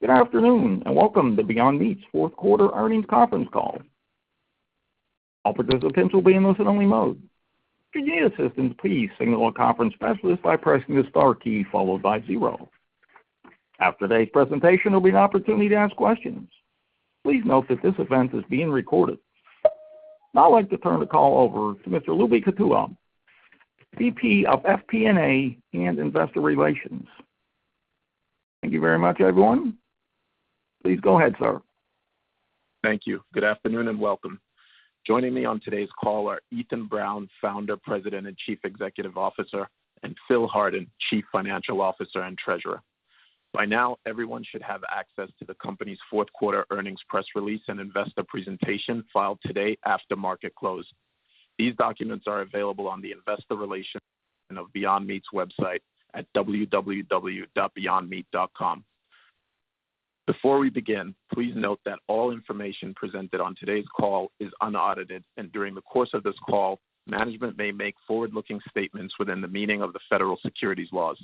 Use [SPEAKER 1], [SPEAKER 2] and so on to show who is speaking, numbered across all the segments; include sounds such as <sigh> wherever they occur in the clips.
[SPEAKER 1] Good afternoon and welcome to Beyond Meat's fourth quarter earnings conference call. All participants will be in listen only mode. If you need assistance, please signal a conference specialist by pressing the star key followed by zero. After today's presentation, there'll be an opportunity to ask questions. Please note that this event is being recorded. Now I'd like to turn the call over to Mr. Lubi Kutua, VP of FP&A and Investor Relations. Thank you very much, everyone. Please go ahead, sir.
[SPEAKER 2] Thank you. Good afternoon and welcome. Joining me on today's call are Ethan Brown, Founder, President, and Chief Executive Officer, and Phil Hardin, Chief Financial Officer and Treasurer. By now, everyone should have access to the company's Q4 earnings press release and investor presentation filed today after market close. These documents are available on the investor relations of Beyond Meat's website at www.beyondmeat.com. Before we begin, please note that all information presented on today's call is unaudited, and during the course of this call, management may make forward-looking statements within the meaning of the federal securities laws.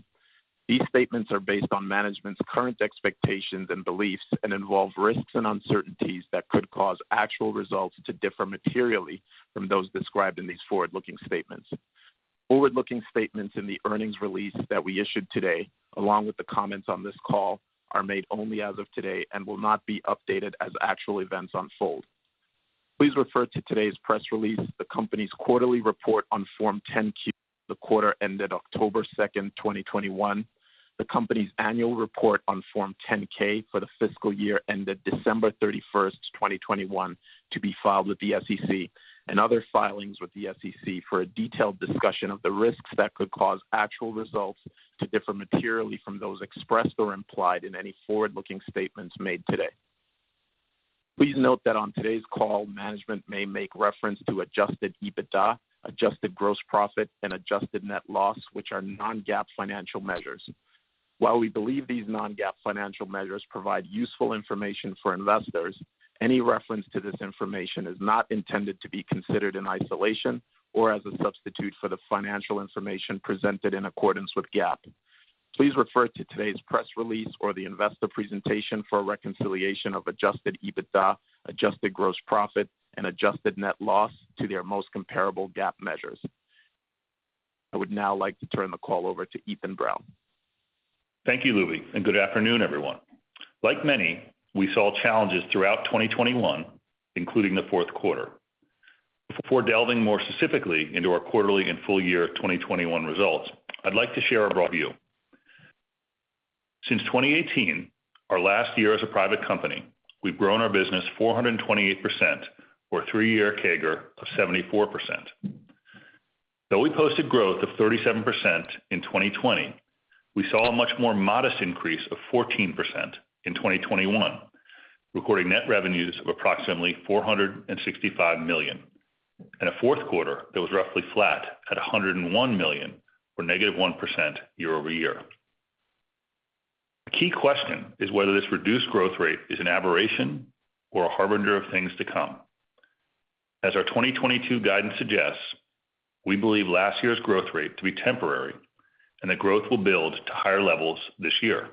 [SPEAKER 2] These statements are based on management's current expectations and beliefs and involve risks and uncertainties that could cause actual results to differ materially from those described in these forward-looking statements. Forward-looking statements in the earnings release that we issued today, along with the comments on this call, are made only as of today and will not be updated as actual events unfold. Please refer to today's press release, the company's quarterly report on Form 10-Q, the quarter ended October 2nd, 2021, the company's annual report on Form 10-K for the fiscal year ended December 31st, 2021, to be filed with the SEC, and other filings with the SEC for a detailed discussion of the risks that could cause actual results to differ materially from those expressed or implied in any forward-looking statements made today. Please note that on today's call, management may make reference to adjusted EBITDA, adjusted gross profit, and adjusted net loss, which are non-GAAP financial measures. While we believe these non-GAAP financial measures provide useful information for investors, any reference to this information is not intended to be considered in isolation or as a substitute for the financial information presented in accordance with GAAP. Please refer to today's press release or the investor presentation for a reconciliation of adjusted EBITDA, adjusted gross profit, and adjusted net loss to their most comparable GAAP measures. I would now like to turn the call over to Ethan Brown.
[SPEAKER 3] Thank you, Lubi, and good afternoon, everyone. Like many, we saw challenges throughout 2021, including the Q4. Before delving more specifically into our quarterly and full-year 2021 results, I'd like to share our broad view. Since 2018, our last year as a private company, we've grown our business 428% or three-year CAGR of 74%. Though we posted growth of 37% in 2020, we saw a much more modest increase of 14% in 2021, recording net revenues of approximately $465 million, and a Q4 that was roughly flat at $101 million, or -1% year-over-year. The key question is whether this reduced growth rate is an aberration or a harbinger of things to come. As our 2022 guidance suggests, we believe last year's growth rate to be temporary and that growth will build to higher levels this year.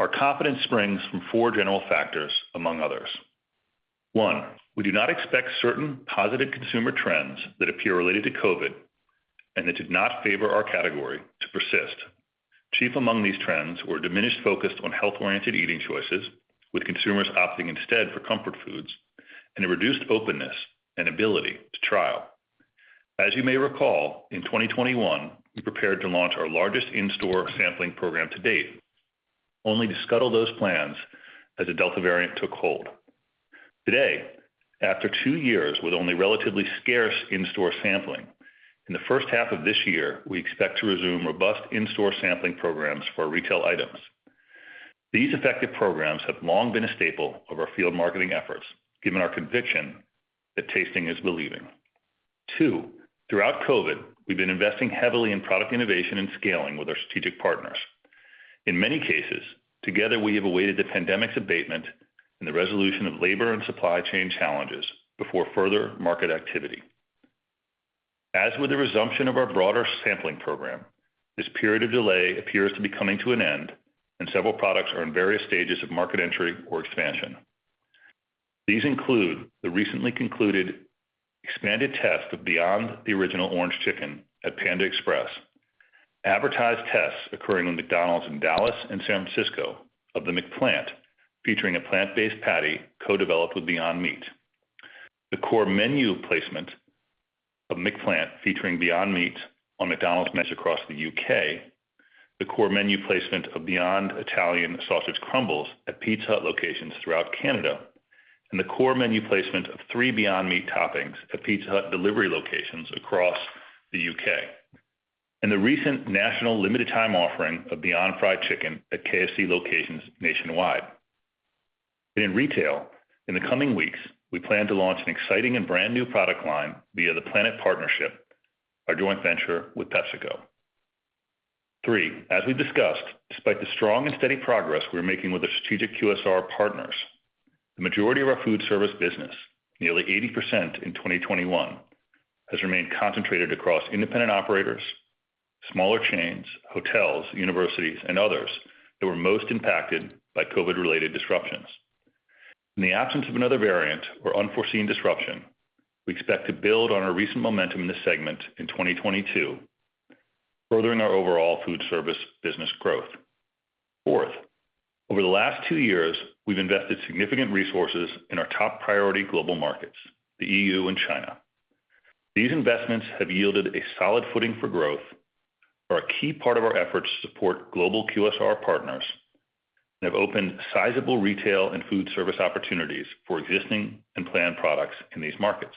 [SPEAKER 3] Our confidence springs from four general factors, among others. One, we do not expect certain negative consumer trends that appear related to COVID, and that did not favor our category to persist. Chief among these trends were diminished focus on health-oriented eating choices, with consumers opting instead for comfort foods and a reduced openness and ability to trial. As you may recall, in 2021, we prepared to launch our largest in-store sampling program to date, only to scuttle those plans as the Delta variant took hold. Today, after two years with only relatively scarce in-store sampling, in the H1 of this year, we expect to resume robust in-store sampling programs for our retail items. These effective programs have long been a staple of our field marketing efforts, given our conviction that tasting is believing. Two, throughout COVID, we've been investing heavily in product innovation and scaling with our strategic partners. In many cases, together, we have awaited the pandemic's abatement and the resolution of labor and supply chain challenges before further market activity. As with the resumption of our broader sampling program, this period of delay appears to be coming to an end, and several products are in various stages of market entry or expansion. These include the recently concluded expanded test of Beyond Original Orange Chicken at Panda Express, advertised tests occurring in McDonald's in Dallas and San Francisco of the McPlant, featuring a plant-based patty co-developed with Beyond Meat. The core menu placement of McPlant featuring Beyond Meat on McDonald's menu across the U.K., the core menu placement of Beyond Italian Sausage Crumbles at Pizza Hut locations throughout Canada, and the core menu placement of three Beyond Meat toppings at Pizza Hut delivery locations across the U.K. The recent national limited time offering of Beyond Fried Chicken at KFC locations nationwide. In retail, in the coming weeks, we plan to launch an exciting and brand-new product line via the PLANeT Partnership, our joint venture with PepsiCo. Three, as we've discussed, despite the strong and steady progress we're making with the strategic QSR partners, the majority of our food service business, nearly 80% in 2021 has remained concentrated across independent operators, smaller chains, hotels, universities, and others that were most impacted by COVID-related disruptions. In the absence of another variant or unforeseen disruption, we expect to build on our recent momentum in this segment in 2022, furthering our overall food service business growth. Fourth, over the last two years, we've invested significant resources in our top priority global markets, the EU and China. These investments have yielded a solid footing for growth, are a key part of our efforts to support global QSR partners, and have opened sizable retail and food service opportunities for existing and planned products in these markets.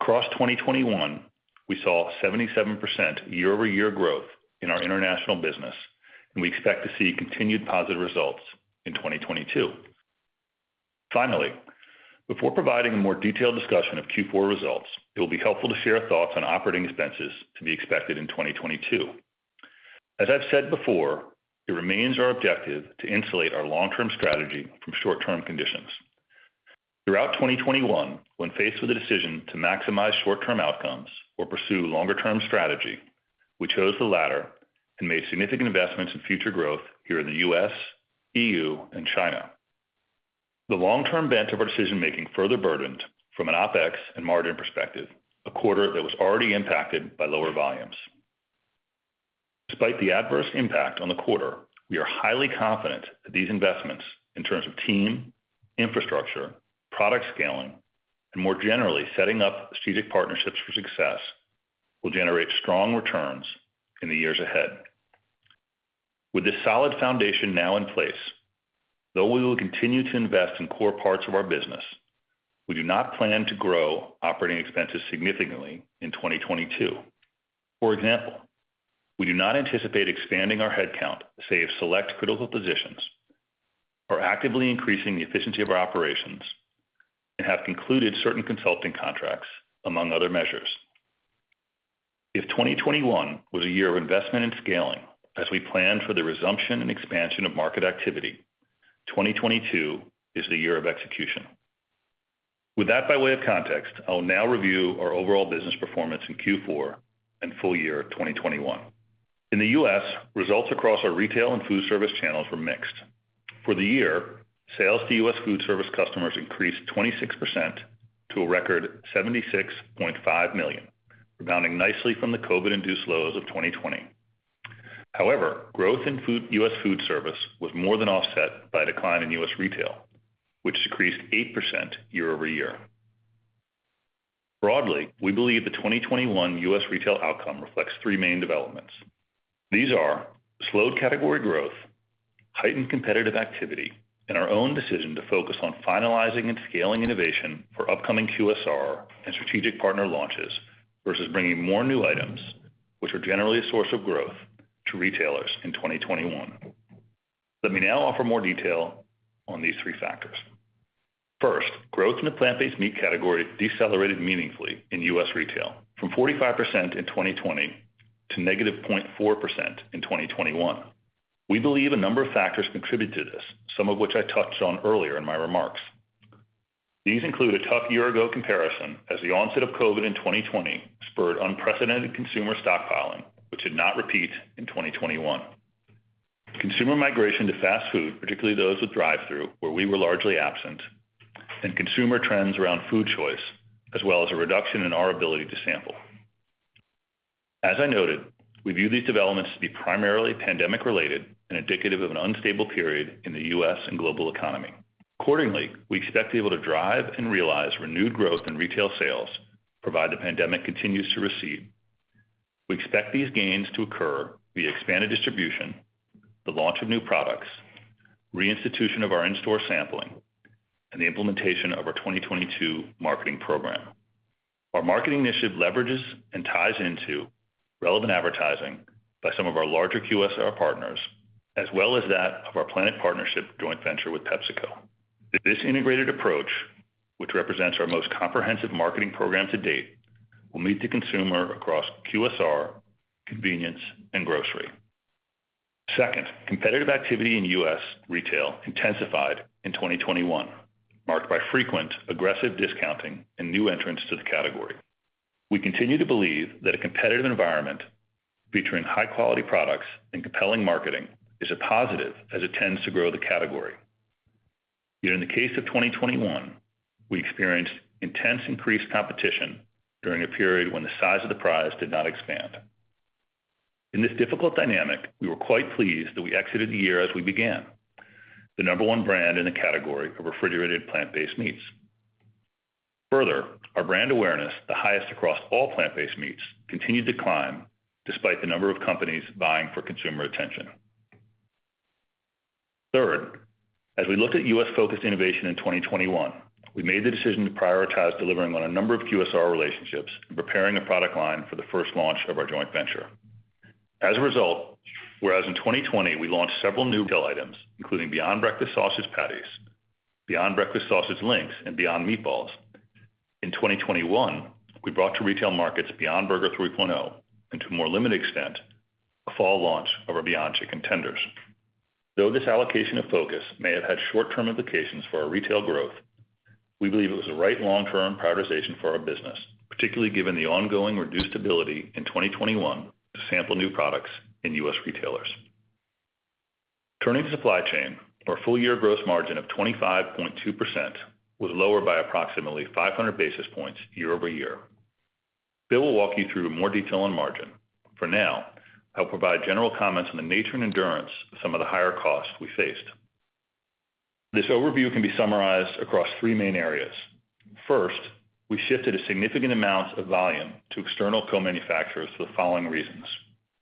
[SPEAKER 3] Across 2021, we saw 77% year-over-year growth in our international business, and we expect to see continued positive results in 2022. Finally, before providing a more detailed discussion of Q4 results, it will be helpful to share our thoughts on operating expenses to be expected in 2022. As I've said before, it remains our objective to insulate our long-term strategy from short-term conditions. Throughout 2021, when faced with a decision to maximize short-term outcomes or pursue longer-term strategy, we chose the latter and made significant investments in future growth here in the U.S., EU, and China. The long-term bent of our decision-making further burdened from an OpEx and margin perspective, a quarter that was already impacted by lower volumes. Despite the adverse impact on the quarter, we are highly confident that these investments in terms of team, infrastructure, product scaling, and more generally, setting up strategic partnerships for success, will generate strong returns in the years ahead. With this solid foundation now in place, though we will continue to invest in core parts of our business, we do not plan to grow operating expenses significantly in 2022. For example, we do not anticipate expanding our headcount, save select critical positions or actively increasing the efficiency of our operations and have concluded certain consulting contracts among other measures. If 2021 was a year of investment and scaling as we plan for the resumption and expansion of market activity, 2022 is the year of execution. With that by way of context, I'll now review our overall business performance in Q4 and full year 2021. In the U.S., results across our retail and food service channels were mixed. For the year, sales to U.S. food service customers increased 26% to a record $76.5 million, rebounding nicely from the COVID-induced lows of 2020. However, growth in U.S. food service was more than offset by a decline in U.S. retail, which decreased 8% year-over-year. Broadly, we believe the 2021 U.S. retail outcome reflects three main developments. These are slowed category growth, heightened competitive activity, and our own decision to focus on finalizing and scaling innovation for upcoming QSR and strategic partner launches versus bringing more new items, which are generally a source of growth to retailers in 2021. Let me now offer more detail on these three factors. First, growth in the plant-based meat category decelerated meaningfully in U.S. retail from 45% in 2020 to -0.4% in 2021. We believe a number of factors contributed to this, some of which I touched on earlier in my remarks. These include a tough year-ago comparison as the onset of COVID in 2020 spurred unprecedented consumer stockpiling, which did not repeat in 2021. Consumer migration to fast food, particularly those with drive-through, where we were largely absent, and consumer trends around food choice, as well as a reduction in our ability to sample. As I noted, we view these developments to be primarily pandemic-related and indicative of an unstable period in the U.S. and global economy. Accordingly, we expect to be able to drive and realize renewed growth in retail sales, provided the pandemic continues to recede. We expect these gains to occur via expanded distribution, the launch of new products, reinstitution of our in-store sampling, and the implementation of our 2022 marketing program. Our marketing initiative leverages and ties into relevant advertising by some of our larger QSR partners, as well as that of our PLANeT partnership joint venture with PepsiCo. This integrated approach, which represents our most comprehensive marketing program to date, will meet the consumer across QSR, convenience, and grocery. Second, competitive activity in U.S. retail intensified in 2021, marked by frequent aggressive discounting and new entrants to the category. We continue to believe that a competitive environment featuring high-quality products and compelling marketing is a positive as it tends to grow the category. Yet in the case of 2021, we experienced intense increased competition during a period when the size of the prize did not expand. In this difficult dynamic, we were quite pleased that we exited the year as we began, the number one brand in the category of refrigerated plant-based meats. Further, our brand awareness, the highest across all plant-based meats, continued to climb despite the number of companies vying for consumer attention. Third, as we looked at U.S. focused innovation in 2021, we made the decision to prioritize delivering on a number of QSR relationships and preparing the product line for the first launch of our joint venture. As a result, whereas in 2020 we launched several new retail items, including Beyond Breakfast Sausage Patties, Beyond Breakfast Sausage Links, and Beyond Meatballs, in 2021 we brought to retail markets Beyond Burger 3.0, and to a more limited extent, a fall launch of our Beyond Chicken Tenders. Though this allocation of focus may have had short-term implications for our retail growth, we believe it was the right long-term prioritization for our business, particularly given the ongoing reduced ability in 2021 to sample new products in U.S. retailers. Turning to supply chain, our full-year gross margin of 25.2% was lower by approximately 500 basis points year-over-year. Bill will walk you through more detail on margin. For now, I'll provide general comments on the nature and endurance of some of the higher costs we faced. This overview can be summarized across three main areas. First, we shifted a significant amount of volume to external co-manufacturers for the following reasons.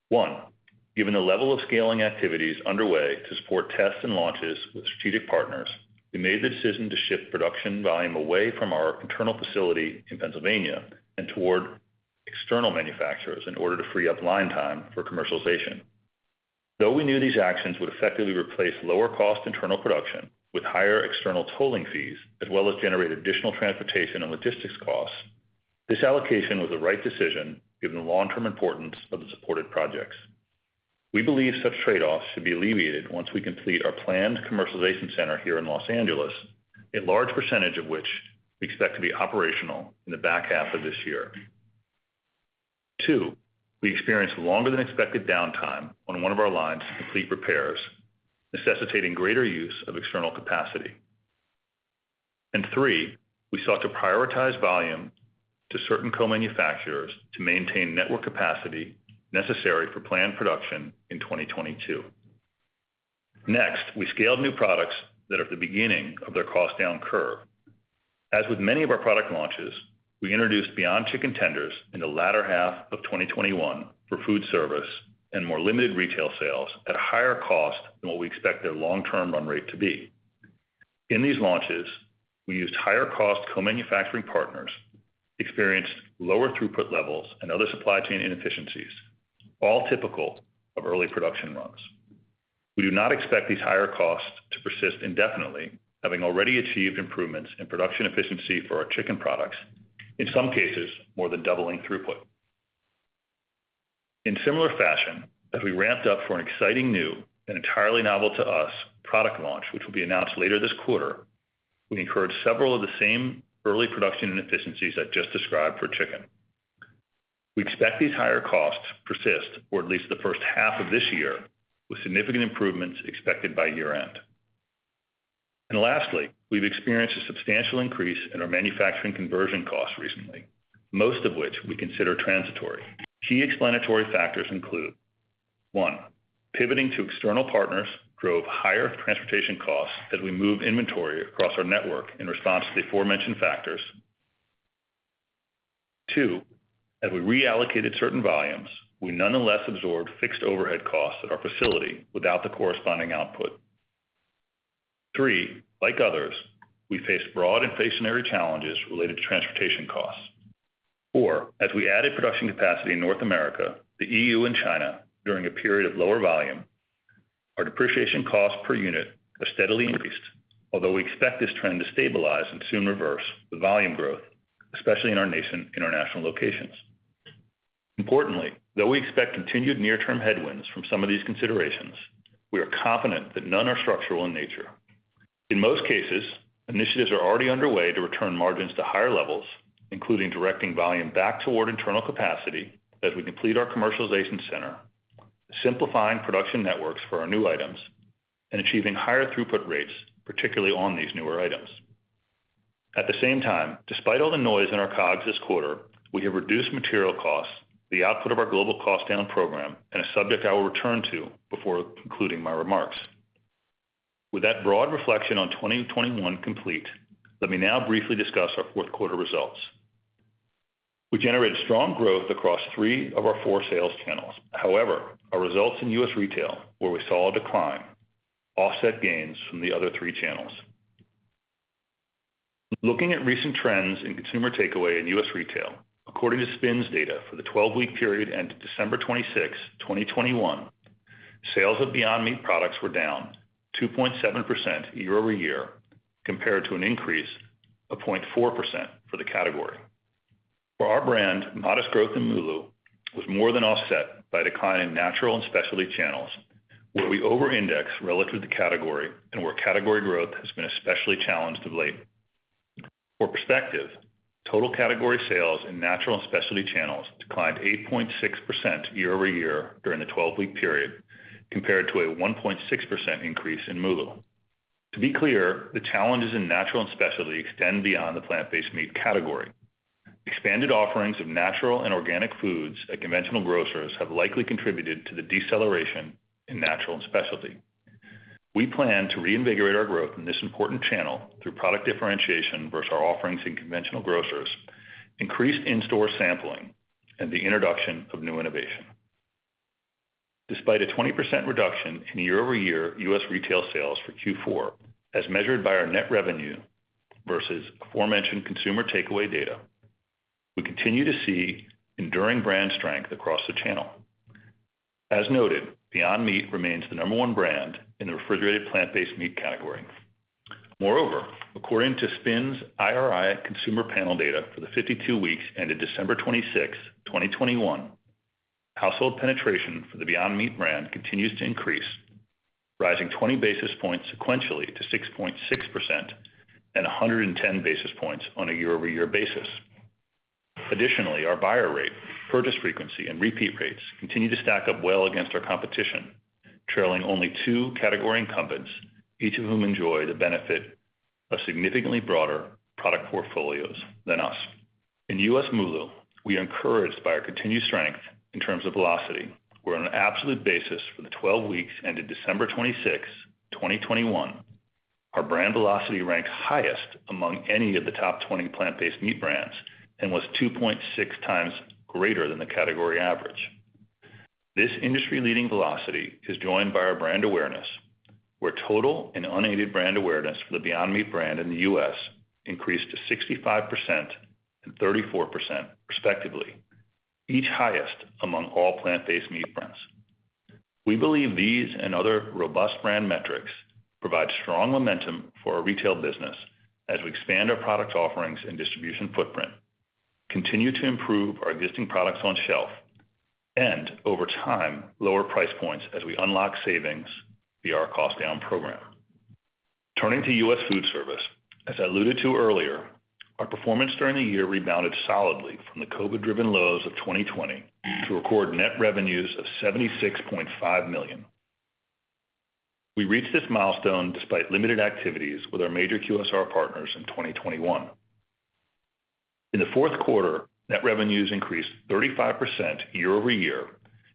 [SPEAKER 3] One, given the level of scaling activities underway to support tests and launches with strategic partners, we made the decision to shift production volume away from our internal facility in Pennsylvania and toward external manufacturers in order to free up line time for commercialization. Though we knew these actions would effectively replace lower-cost internal production with higher external tolling fees, as well as generate additional transportation and logistics costs, this allocation was the right decision given the long-term importance of the supported projects. We believe such trade-offs should be alleviated once we complete our planned commercialization center here in Los Angeles, a large percentage of which we expect to be operational in the back half of this year. Two, we experienced longer than expected downtime on one of our lines to complete repairs, necessitating greater use of external capacity. Three, we sought to prioritize volume to certain co-manufacturers to maintain network capacity necessary for planned production in 2022. Next, we scaled new products that are at the beginning of their cost down curve. As with many of our product launches, we introduced Beyond Chicken Tenders in the latter half of 2021 for food service and more limited retail sales at a higher cost than what we expect their long-term run rate to be. In these launches, we used higher cost co-manufacturing partners, experienced lower throughput levels, and other supply chain inefficiencies, all typical of early production runs. We do not expect these higher costs to persist indefinitely, having already achieved improvements in production efficiency for our chicken products, in some cases more than doubling throughput. In similar fashion, as we ramped up for an exciting new and entirely novel to us product launch, which will be announced later this quarter, we incurred several of the same early production inefficiencies I just described for chicken. We expect these higher costs to persist for at least the H1 of this year, with significant improvements expected by year-end. Lastly, we've experienced a substantial increase in our manufacturing conversion costs recently, most of which we consider transitory. Key explanatory factors include, one, pivoting to external partners drove higher transportation costs as we moved inventory across our network in response to the aforementioned factors. Two, as we reallocated certain volumes, we nonetheless absorbed fixed overhead costs at our facility without the corresponding output. Three, like others, we faced broad inflationary challenges related to transportation costs. Four, as we added production capacity in North America, the E.U., and China during a period of lower volume, our depreciation costs per unit have steadily increased, although we expect this trend to stabilize and soon reverse with volume growth, especially in our nascent international locations. Importantly, though we expect continued near-term headwinds from some of these considerations, we are confident that none are structural in nature. In most cases, initiatives are already underway to return margins to higher levels, including directing volume back toward internal capacity as we complete our commercialization center, simplifying production networks for our new items, and achieving higher throughput rates, particularly on these newer items. At the same time, despite all the noise in our COGS this quarter, we have reduced material costs, the output of our global cost down program, and a subject I will return to before concluding my remarks. With that broad reflection on 2021 complete, let me now briefly discuss our Q4 results. We generated strong growth across three of our four sales channels. However, our results in U.S. retail, where we saw a decline, offset gains from the other three channels. Looking at recent trends in consumer takeaway in U.S. retail, according to SPINS data for the 12-week period ended December 26, 2021, sales of Beyond Meat products were down 2.7% year-over-year compared to an increase of 0.4% for the category. For our brand, modest growth in MULO was more than offset by decline in natural and specialty channels, where we over-index relative to category and where category growth has been especially challenged of late. For perspective, total category sales in natural and specialty channels declined 8.6% year-over-year during the twelve-week period compared to a 1.6% increase in MULO. To be clear, the challenges in natural and specialty extend beyond the plant-based meat category. Expanded offerings of natural and organic foods at conventional grocers have likely contributed to the deceleration in natural and specialty. We plan to reinvigorate our growth in this important channel through product differentiation versus our offerings in conventional grocers, increased in-store sampling, and the introduction of new innovation. Despite a 20% reduction in year-over-year U.S. retail sales for Q4, as measured by our net revenue versus aforementioned consumer takeaway data, we continue to see enduring brand strength across the channel. As noted, Beyond Meat remains the number one brand in the refrigerated plant-based meat category. Moreover, according to SPINS IRI consumer panel data for the 52 weeks ended December 26, 2021, household penetration for the Beyond Meat brand continues to increase, rising 20 basis points sequentially to 6.6% and 110 basis points on a year-over-year basis. Additionally, our buyer rate, purchase frequency, and repeat rates continue to stack up well against our competition, trailing only two category incumbents, each of whom enjoy the benefit of significantly broader product portfolios than us. In U.S. MULO, we are encouraged by our continued strength in terms of velocity, where on an absolute basis for the 12 weeks ended December 26, 2021, our brand velocity ranked highest among any of the top 20 plant-based meat brands and was 2.6x greater than the category average. This industry-leading velocity is joined by our brand awareness, where total and unaided brand awareness for the Beyond Meat brand in the U.S. increased to 65% and 34% respectively, each highest among all plant-based meat brands. We believe these and other robust brand metrics provide strong momentum for our retail business as we expand our product offerings and distribution footprint, continue to improve our existing products on shelf, and over time, lower price points as we unlock savings via our cost down program. Turning to U.S. food service, as I alluded to earlier, our performance during the year rebounded solidly from the COVID-driven lows of 2020 to record net revenues of $76.5 million. We reached this milestone despite limited activities with our major QSR partners in 2021. In the Q4, net revenues increased 35% year-over-year,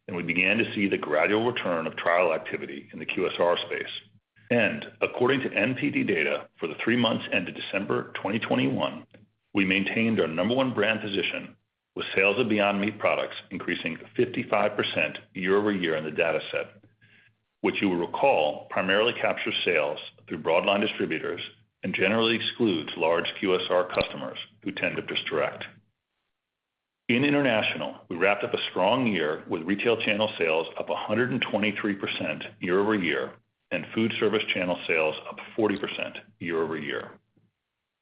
[SPEAKER 3] and we began to see the gradual return of trial activity in the QSR space. According to NPD data for the three months ended December 2021, we maintained our number one brand position with sales of Beyond Meat products increasing 55% year-over-year in the dataset, which you will recall primarily captures sales through broad line distributors and generally excludes large QSR customers who tend to purchase direct. In international, we wrapped up a strong year with retail channel sales up 123% year-over-year, and food service channel sales up 40% year-over-year.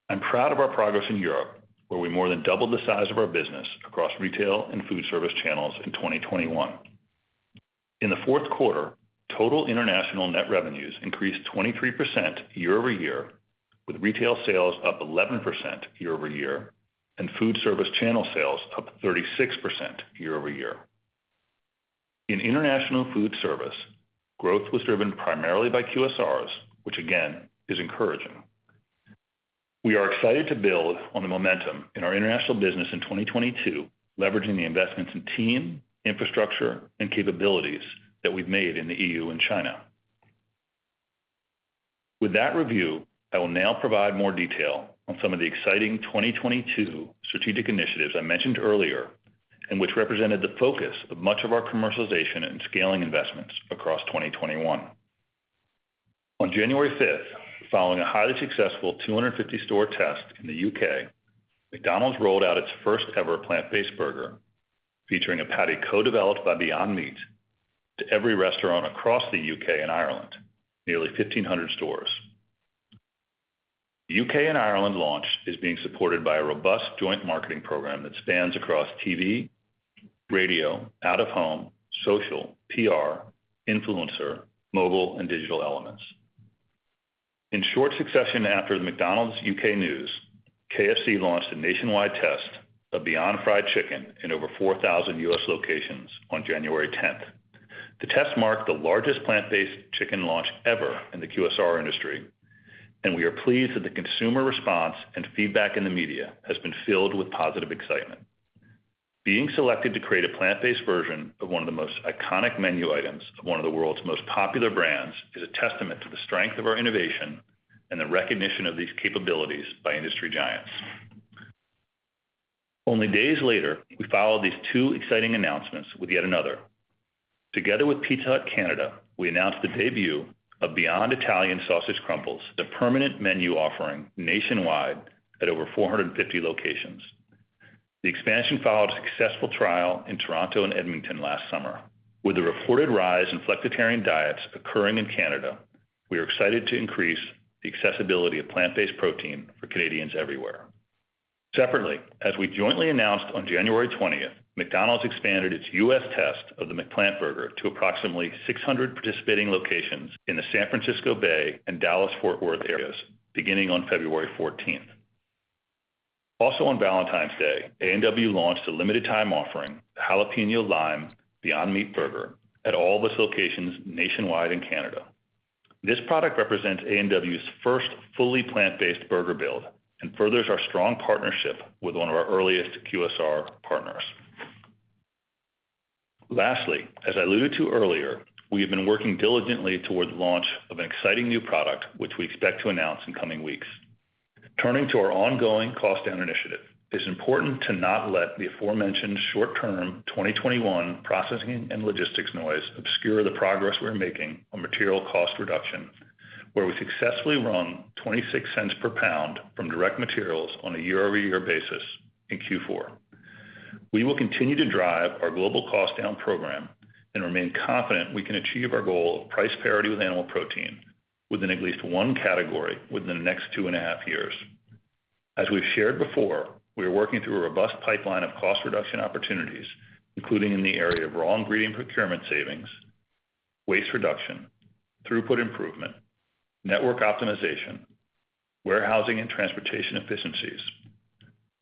[SPEAKER 3] I'm proud of our progress in Europe, where we more than doubled the size of our business across retail and food service channels in 2021. In the Q4, total international net revenues increased 23% year-over-year, with retail sales up 11% year-over-year, and food service channel sales up 36% year-over-year. In international food service, growth was driven primarily by QSRs, which again, is encouraging. We are excited to build on the momentum in our international business in 2022, leveraging the investments in team, infrastructure, and capabilities that we've made in the EU and China. With that review, I will now provide more detail on some of the exciting 2022 strategic initiatives I mentioned earlier and which represented the focus of much of our commercialization and scaling investments across 2021. On January 5th, 2021, following a highly successful 250 store test in the U.K., McDonald's rolled out its first-ever plant-based burger featuring a patty co-developed by Beyond Meat to every restaurant across the U.K. and Ireland, nearly 1,500 stores. The U.K. and Ireland launch is being supported by a robust joint marketing program that spans across TV, radio, out-of-home, social, PR, influencer, mobile, and digital elements. In short succession after the McDonald's U.K. news, KFC launched a nationwide test of Beyond Fried Chicken in over 4,000 U.S. locations on January 10th, 2021. The test marked the largest plant-based chicken launch ever in the QSR industry, and we are pleased that the consumer response and feedback in the media has been filled with positive excitement. Being selected to create a plant-based version of one of the most iconic menu items of one of the world's most popular brands is a testament to the strength of our innovation and the recognition of these capabilities by industry giants. Only days later, we followed these two exciting announcements with yet another. Together with Pizza Hut Canada, we announced the debut of Beyond Italian Sausage Crumbles, the permanent menu offering nationwide at over 450 locations. The expansion followed a successful trial in Toronto and Edmonton last summer. With the reported rise in flexitarian diets occurring in Canada, we are excited to increase the accessibility of plant-based protein for Canadians everywhere. Separately, as we jointly announced on January 20th, 2021, McDonald's expanded its U.S. test of the McPlant burger to approximately 600 participating locations in the San Francisco Bay and Dallas-Fort Worth areas beginning on February 14th, 2021. Also on Valentine's Day, A&W launched a limited time offering, Jalapeno Lime Beyond Meat Burger at all of its locations nationwide in Canada. This product represents A&W's first fully plant-based burger build and furthers our strong partnership with one of our earliest QSR partners. Lastly, as I alluded to earlier, we have been working diligently toward the launch of an exciting new product, which we expect to announce in coming weeks. Turning to our ongoing cost down initiative, it's important to not let the aforementioned short-term 2021 processing and logistics noise obscure the progress we are making on material cost reduction, where we successfully wrung $0.26 per pound from direct materials on a year-over-year basis in Q4. We will continue to drive our global cost down program and remain confident we can achieve our goal of price parity with animal protein within at least one category within the next two and a half years. As we've shared before, we are working through a robust pipeline of cost reduction opportunities, including in the area of raw ingredient procurement savings, waste reduction, throughput improvement, network optimization, warehousing and transportation efficiencies,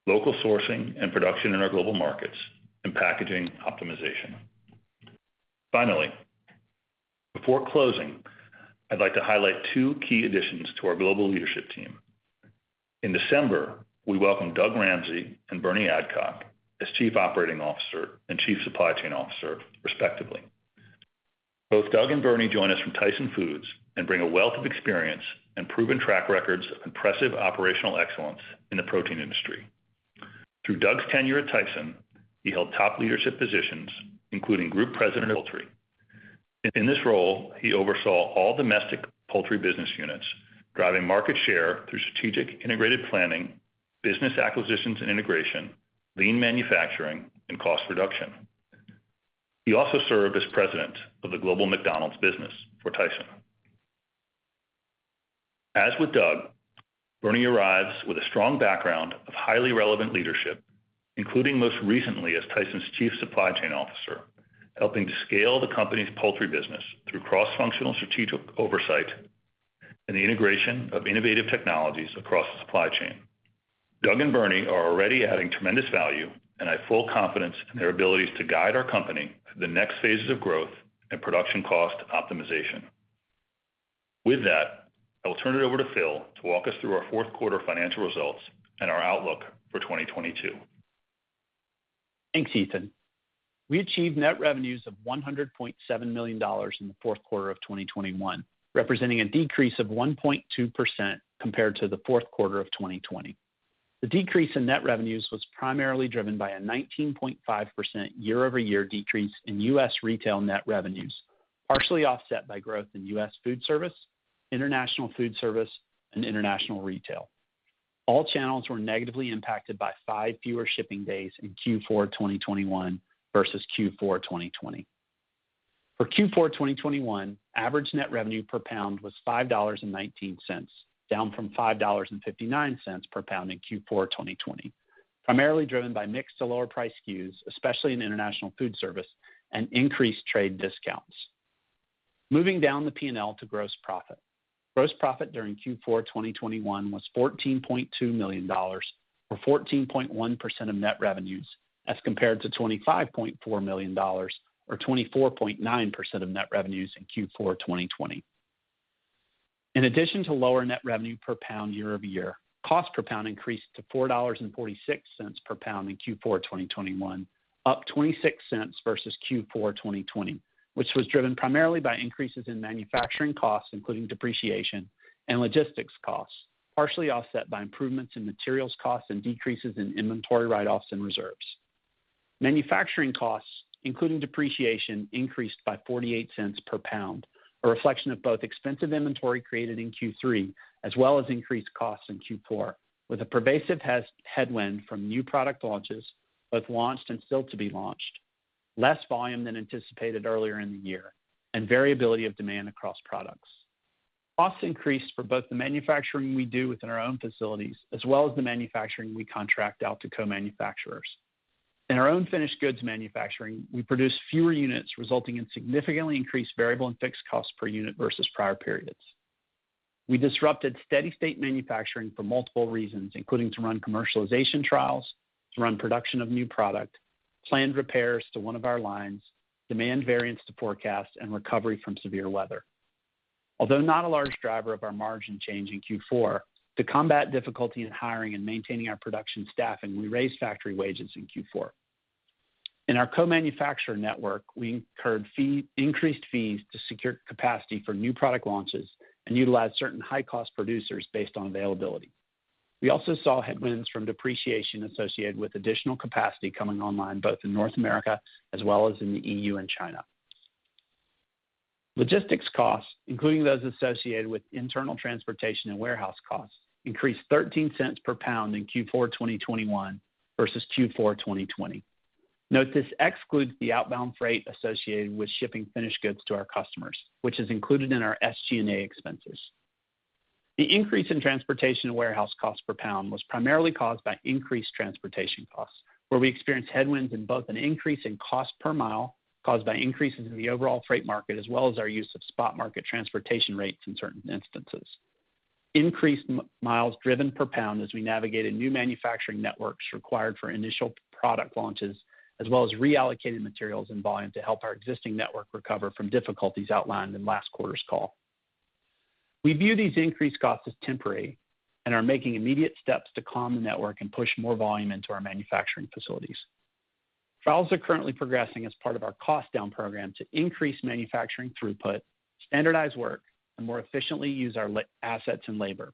[SPEAKER 3] local sourcing and production in our global markets, and packaging optimization. Finally, before closing, I'd like to highlight two key additions to our global leadership team. In December, we welcomed Doug Ramsey and Bernie Adcock as Chief Operating Officer and Chief Supply Chain Officer respectively. Both Doug and Bernie join us from Tyson Foods and bring a wealth of experience and proven track records of impressive operational excellence in the protein industry. Through Doug's tenure at Tyson, he held top leadership positions, including Group President of Poultry. In this role, he oversaw all domestic poultry business units, driving market share through strategic integrated planning, business acquisitions and integration, lean manufacturing, and cost reduction. He also served as president of the global McDonald's business for Tyson. As with Doug, Bernie arrives with a strong background of highly relevant leadership, including most recently as Tyson's Chief Supply Chain Officer, helping to scale the company's poultry business through cross-functional strategic oversight and the integration of innovative technologies across the supply chain. Doug and Bernie are already adding tremendous value, and I have full confidence in their abilities to guide our company through the next phases of growth and production cost optimization. With that, I will turn it over to Phil to walk us through our Q4 financial results and our outlook for 2022.
[SPEAKER 4] Thanks, Ethan. We achieved net revenues of $100.7 million in the Q4 of 2021, representing a decrease of 1.2% compared to the Q4 of 2020. The decrease in net revenues was primarily driven by a 19.5% year-over-year decrease in U.S. retail net revenues, partially offset by growth in U.S. food service, international food service, and international retail. All channels were negatively impacted by five fewer shipping days in Q4 2021 versus Q4 2020. For Q4 2021, average net revenue per pound was $5.19, down from $5.59 per pound in Q4 2020, primarily driven by mix to lower price SKUs, especially in international food service and increased trade discounts. Moving down the P&L to gross profit. Gross profit during Q4 2021 was $14.2 million or 14.1% of net revenues as compared to $25.4 million or 24.9% of net revenues in Q4 2020. In addition to lower net revenue per pound year-over-year, cost per pound increased to $4.46 per pound in Q4 2021 up $.26 versus Q4 2020, which was driven primarily by increases in manufacturing costs, including depreciation and logistics costs, partially offset by improvements in materials costs and decreases in inventory write-offs and reserves. Manufacturing costs, including depreciation, increased by $.48 cents per pound, a reflection of both expensive inventory created in Q3 as well as increased costs in Q4, with a pervasive headwind from new product launches, both launched and still to be launched. Less volume than anticipated earlier in the year and variability of demand across products. Costs increased for both the manufacturing we do within our own facilities as well as the manufacturing we contract out to co-manufacturers. In our own finished goods manufacturing, we produced fewer units, resulting in significantly increased variable and fixed costs per unit versus prior periods. We disrupted steady state manufacturing for multiple reasons, including to run commercialization trials, to run production of new product, planned repairs to one of our lines, demand variance to forecast and recovery from severe weather. Although not a large driver of our margin change in Q4, to combat difficulty in hiring and maintaining our production staffing, we raised factory wages in Q4. In our co-manufacturer network, we incurred increased fees to secure capacity for new product launches and utilized certain high-cost producers based on availability. We also saw headwinds from depreciation associated with additional capacity coming online both in North America as well as in the EU and China. Logistics costs, including those associated with internal transportation and warehouse costs, increased $0.13 per pound in Q4 2021 versus Q4 2020. Note this excludes the outbound freight associated with shipping finished goods to our customers, which is included in our SG&A expenses. The increase in transportation and warehouse costs per pound was primarily caused by increased transportation costs, where we experienced headwinds in both an increase in cost per mile caused by increases in the overall freight market, as well as our use of spot market transportation rates in certain instances. Increased miles driven per pound as we navigated new manufacturing networks required for initial product launches, as well as reallocating materials and volume to help our existing network recover from difficulties outlined in last quarter's call. We view these increased costs as temporary and are making immediate steps to calm the network and push more volume into our manufacturing facilities. Trials are currently progressing as part of our cost down program to increase manufacturing throughput, standardize work, and more efficiently use our line assets and labor.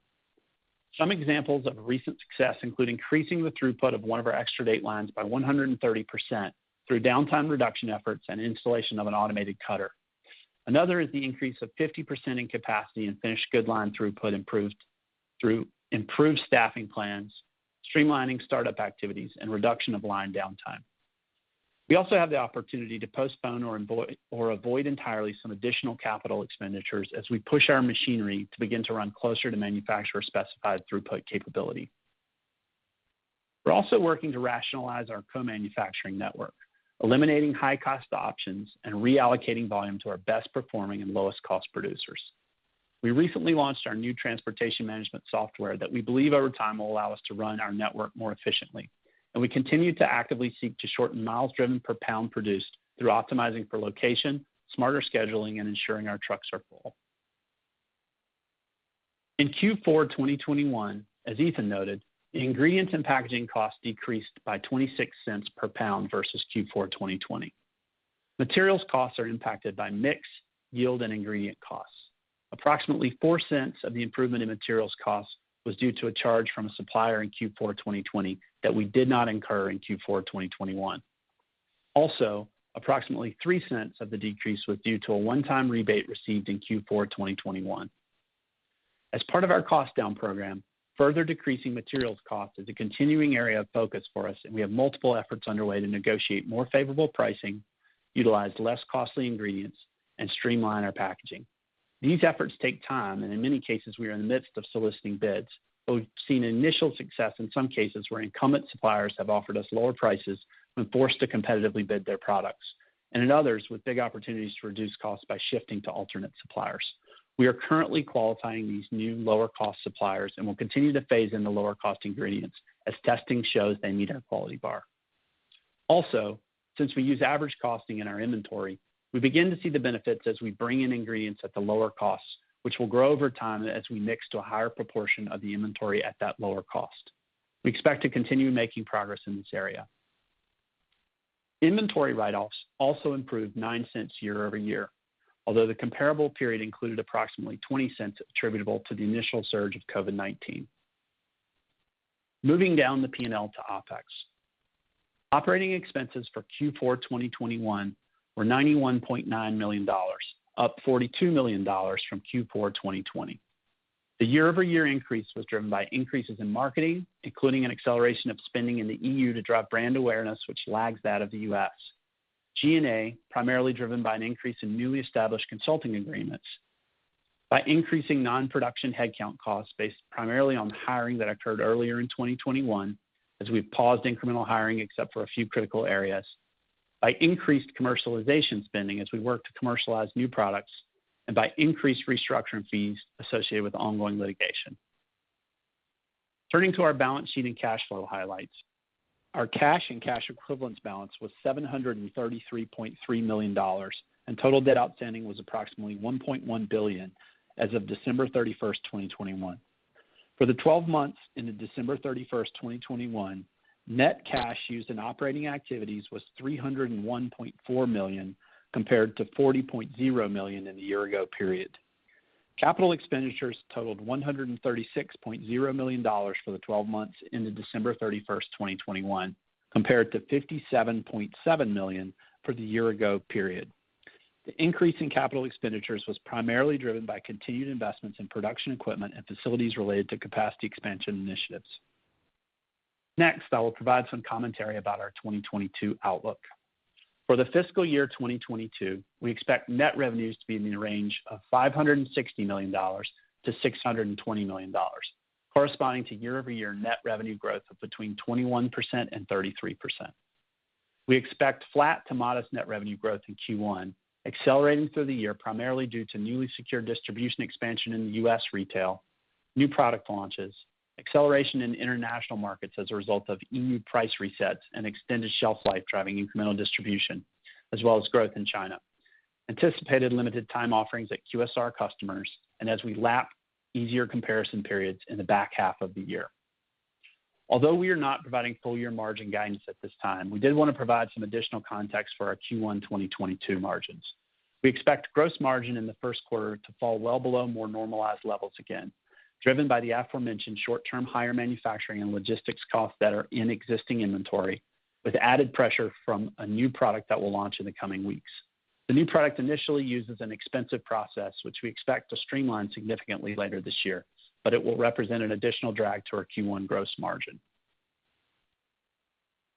[SPEAKER 4] Some examples of recent success include increasing the throughput of one of our extrusion lines by 130% through downtime reduction efforts and installation of an automated cutter. Another is the increase of 50% in capacity and finished goods line throughput improved through improved staffing plans, streamlining startup activities, and reduction of line downtime. We also have the opportunity to postpone or avoid entirely some additional capital expenditures as we push our machinery to begin to run closer to manufacturer-specified throughput capability. We're also working to rationalize our co-manufacturing network, eliminating high-cost options and reallocating volume to our best-performing and lowest-cost producers. We recently launched our new transportation management software that we believe over time will allow us to run our network more efficiently, and we continue to actively seek to shorten miles driven per pound produced through optimizing for location, smarter scheduling, and ensuring our trucks are full. In Q4 2021, as Ethan noted, the ingredients and packaging costs decreased by $0.26 per pound versus Q4 2020. Materials costs are impacted by mix, yield, and ingredient costs. Approximately $0.04 of the improvement in materials cost was due to a charge from a supplier in Q4 2020 that we did not incur in Q4 2021. Approximately $0.03 of the decrease was due to a one-time rebate received in Q4 2021. As part of our cost down program, further decreasing materials cost is a continuing area of focus for us, and we have multiple efforts underway to negotiate more favorable pricing, utilize less costly ingredients, and streamline our packaging. These efforts take time, and in many cases, we are in the midst of soliciting bids, but we've seen initial success in some cases where incumbent suppliers have offered us lower prices when forced to competitively bid their products, and in others with big opportunities to reduce costs by shifting to alternate suppliers. We are currently qualifying these new lower-cost suppliers and will continue to phase in the lower-cost ingredients as testing shows they meet our quality bar. Since we use average costing in our inventory, we begin to see the benefits as we bring in ingredients at the lower costs, which will grow over time as we mix to a higher proportion of the inventory at that lower cost. We expect to continue making progress in this area. Inventory write-offs also improved $0.09 year-over-year, although the comparable period included approximately $0.20 attributable to the initial surge of COVID-19. Moving down the P&L to OpEx. Operating expenses for Q4 2021 were $91.9 million up $42 million from Q4 2020. The year-over-year increase was driven by increases in marketing, including an acceleration of spending in the EU to drive brand awareness which lags that of the U.S. G&A, primarily driven by an increase in newly established consulting agreements, by increasing non-production headcount costs based primarily on hiring that occurred earlier in 2021 as we've paused incremental hiring except for a few critical areas, by increased commercialization spending as we work to commercialize new products, and by increased restructuring fees associated with ongoing litigation. Turning to our balance sheet and cash flow highlights. Our cash and cash equivalents balance was $733.3 million, and total debt outstanding was approximately $1.1 billion as of December 31st, 2021. For the 12 months ended December 31st, 2021, net cash used in operating activities was $301.4 million, compared to $40.0 million in the year ago period. Capital expenditures totaled $136.0 million for the 12 months ended December 31st, 2021, compared to $57.7 million for the year ago period. The increase in capital expenditures was primarily driven by continued investments in production equipment and facilities related to capacity expansion initiatives. Next, I will provide some commentary about our 2022 outlook. For the fiscal year 2022, we expect net revenues to be in the range of $560 million-$620 million, corresponding to year-over-year net revenue growth of between 21% and 33%. We expect flat to modest net revenue growth in Q1, accelerating through the year primarily due to newly secured distribution expansion in the U.S. retail, new product launches, acceleration in international markets as a result of EU price resets and extended shelf life driving incremental distribution, as well as growth in China, anticipated limited time offerings at QSR customers, and as we lap easier comparison periods in the back half of the year. Although we are not providing full year margin guidance at this time, we did wanna provide some additional context for our Q1 2022 margins. We expect gross margin in the Q1 to fall well below more normalized levels again, driven by the aforementioned short-term higher manufacturing and logistics costs that are in existing inventory, with added pressure from a new product that will launch in the coming weeks. The new product initially uses an expensive process which we expect to streamline significantly later this year, but it will represent an additional drag to our Q1 gross margin.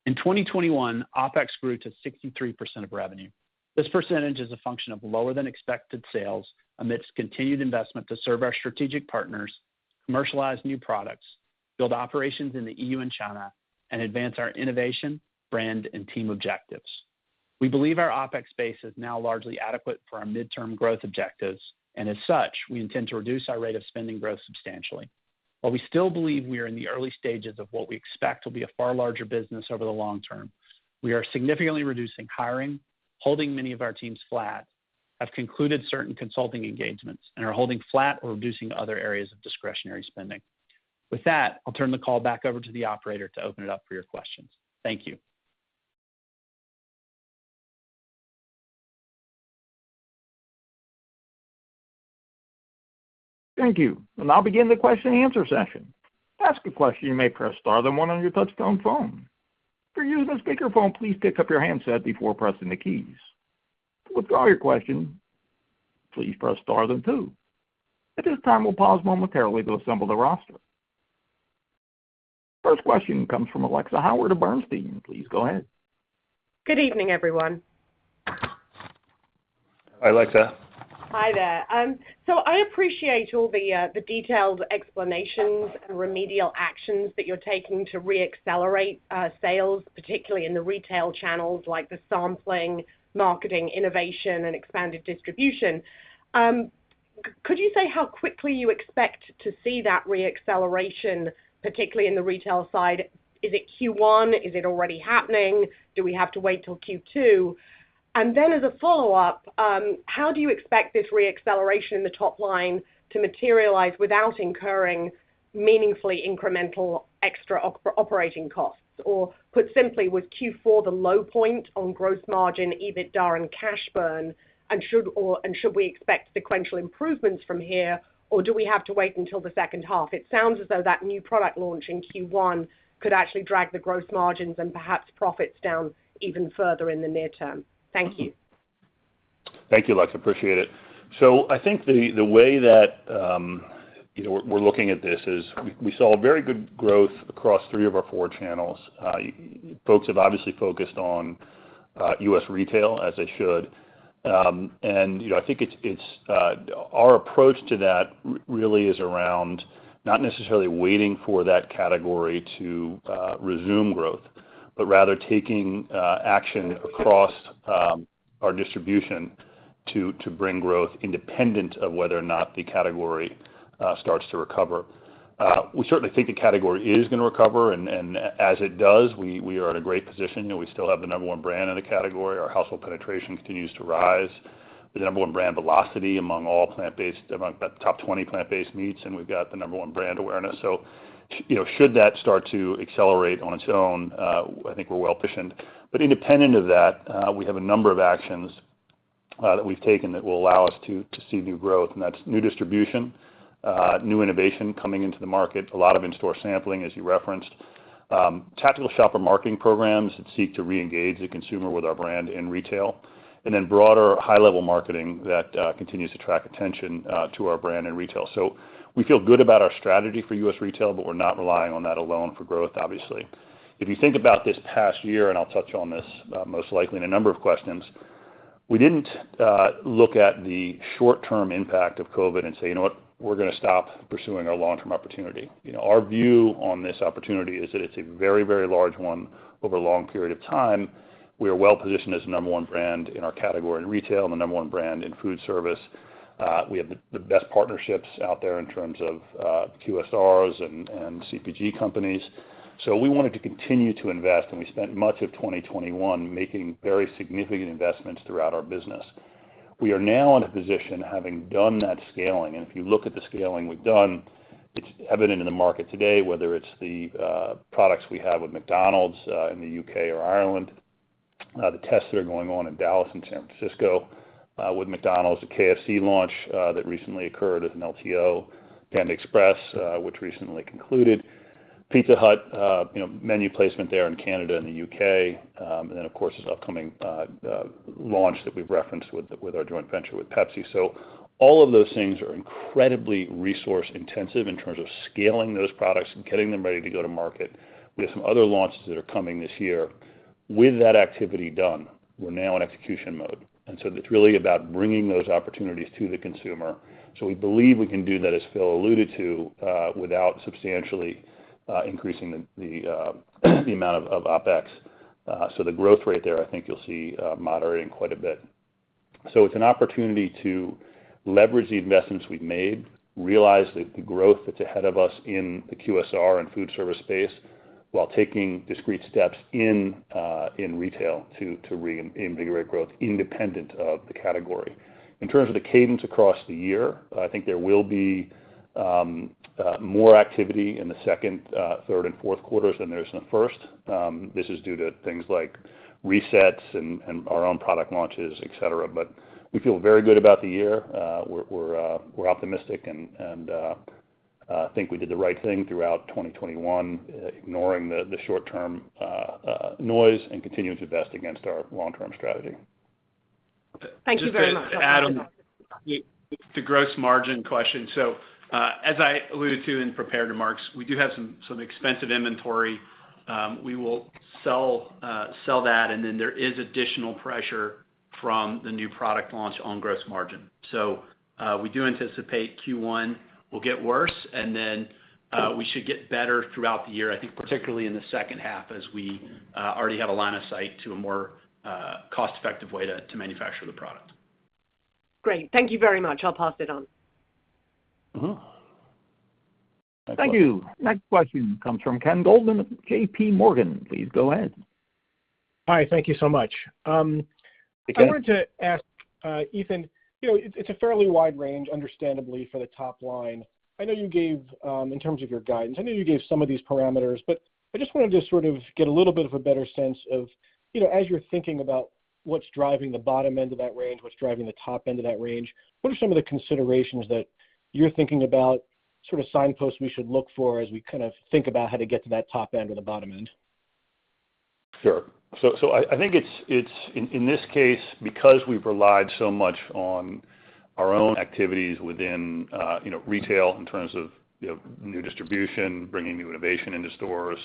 [SPEAKER 4] In 2021, OpEx grew to 63% of revenue. This percentage is a function of lower than expected sales amidst continued investment to serve our strategic partners, commercialize new products, build operations in the EU and China, and advance our innovation, brand, and team objectives. We believe our OpEx base is now largely adequate for our midterm growth objectives, and as such, we intend to reduce our rate of spending growth substantially. While we still believe we are in the early stages of what we expect will be a far larger business over the long term, we are significantly reducing hiring, holding many of our teams flat, have concluded certain consulting engagements, and are holding flat or reducing other areas of discretionary spending. With that, I'll turn the call back over to the operator to open it up for your questions. Thank you.
[SPEAKER 1] Thank you. We'll now begin the Q&A session. To ask a question, you may press star then one on your touchtone phone. If you're using a speakerphone, please pick up your handset before pressing the keys. To withdraw your question, please press star then two. At this time, we'll pause momentarily to assemble the roster. First question comes from Alexia Howard of Bernstein. Please go ahead.
[SPEAKER 5] Good evening, everyone.
[SPEAKER 3] Hi, Alexia.
[SPEAKER 5] Hi there. I appreciate all the detailed explanations and remedial actions that you're taking to re-accelerate sales, particularly in the retail channels, like the sampling, marketing, innovation, and expanded distribution. Could you say how quickly you expect to see that re-acceleration, particularly in the retail side? Is it Q1? Is it already happening? Do we have to wait till Q2? And then as a follow-up, how do you expect this re-acceleration in the top line to materialize without incurring meaningfully incremental extra operating costs? Or put simply, was Q4 the low point on gross margin, EBITDA and cash burn, and should we expect sequential improvements from here, or do we have to wait until the H2? It sounds as though that new product launch in Q1 could actually drag the gross margins and perhaps profits down even further in the near term. Thank you.
[SPEAKER 3] Thank you, Alexia. Appreciate it. I think the way that you know we're looking at this is we saw a very good growth across three of our four channels. Folks have obviously focused on U.S. retail, as they should. You know, I think it's our approach to that really is around not necessarily waiting for that category to resume growth, but rather taking action across our distribution to bring growth independent of whether or not the category starts to recover. We certainly think the category is gonna recover, and as it does, we are in a great position. You know, we still have the number one brand in the category. Our household penetration continues to rise. The number one brand velocity among the top 20 plant-based meats, and we've got the number one brand awareness. You know, should that start to accelerate on its own, I think we're well positioned. Independent of that, we have a number of actions that we've taken that will allow us to see new growth, and that's new distribution, new innovation coming into the market, a lot of in-store sampling, as you referenced, tactical shopper marketing programs that seek to reengage the consumer with our brand in retail, and then broader high-level marketing that continues to attract attention to our brand in retail. We feel good about our strategy for U.S. retail, but we're not relying on that alone for growth, obviously. If you think about this past year, and I'll touch on this, most likely in a number of questions, we didn't look at the short-term impact of COVID and say, "You know what? We're gonna stop pursuing our long-term opportunity." You know, our view on this opportunity is that it's a very, very large one over a long period of time. We are well-positioned as the number one brand in our category in retail and the number one brand in food service. We have the best partnerships out there in terms of QSRs and CPG companies. We wanted to continue to invest, and we spent much of 2021 making very significant investments throughout our business. We are now in a position, having done that scaling, and if you look at the scaling we've done, it's evident in the market today, whether it's the products we have with McDonald's in the U.K. or Ireland, the tests that are going on in Dallas and San Francisco with McDonald's, the KFC launch that recently occurred as an LTO, Panda Express which recently concluded, Pizza Hut menu placement there in Canada and the U.K., and then of course, this upcoming launch that we've referenced with our joint venture with Pepsi. So all of those things are incredibly resource-intensive in terms of scaling those products and getting them ready to go to market. We have some other launches that are coming this year. With that activity done, we're now in execution mode. It's really about bringing those opportunities to the consumer. We believe we can do that, as Phil alluded to, without substantially increasing the amount of OpEx. The growth rate there, I think you'll see, moderating quite a bit. It's an opportunity to leverage the investments we've made, realize the growth that's ahead of us in the QSR and food service space while taking discrete steps in retail to reinvigorate growth independent of the category. In terms of the cadence across the year, I think there will be more activity in the Q2, Q3 and Q4 than there is in the Q1. This is due to things like resets and our own product launches, et cetera. We feel very good about the year. We're optimistic and think we did the right thing throughout 2021, ignoring the short-term noise and continuing to invest against our long-term strategy.
[SPEAKER 5] Thank you very much.
[SPEAKER 4] To add on the gross margin question. As I alluded to in prepared remarks, we do have some expensive inventory. We will sell that, and then there is additional pressure from the new product launch on gross margin. We do anticipate Q1 will get worse, and then we should get better throughout the year, I think particularly in the H2 as we already have a line of sight to a more cost-effective way to manufacture the product.
[SPEAKER 5] Great. Thank you very much. I'll pass it on.
[SPEAKER 3] Mm-hmm.
[SPEAKER 1] Thank you. Next question comes from Ken Goldman, JPMorgan. Please go ahead.
[SPEAKER 6] Hi, thank you so much.
[SPEAKER 1] <crosstalk>
[SPEAKER 6] I wanted to ask, Ethan, you know, it's a fairly wide range, understandably, for the top line. I know you gave, in terms of your guidance, some of these parameters, but I just wanted to sort of get a little bit of a better sense of, you know, as you're thinking about what's driving the bottom end of that range? What's driving the top end of that range? What are some of the considerations that you're thinking about, sort of signposts we should look for as we kind of think about how to get to that top end or the bottom end?
[SPEAKER 3] Sure. I think it's in this case, because we've relied so much on our own activities within, you know, retail in terms of, you know, new distribution, bringing new innovation into stores,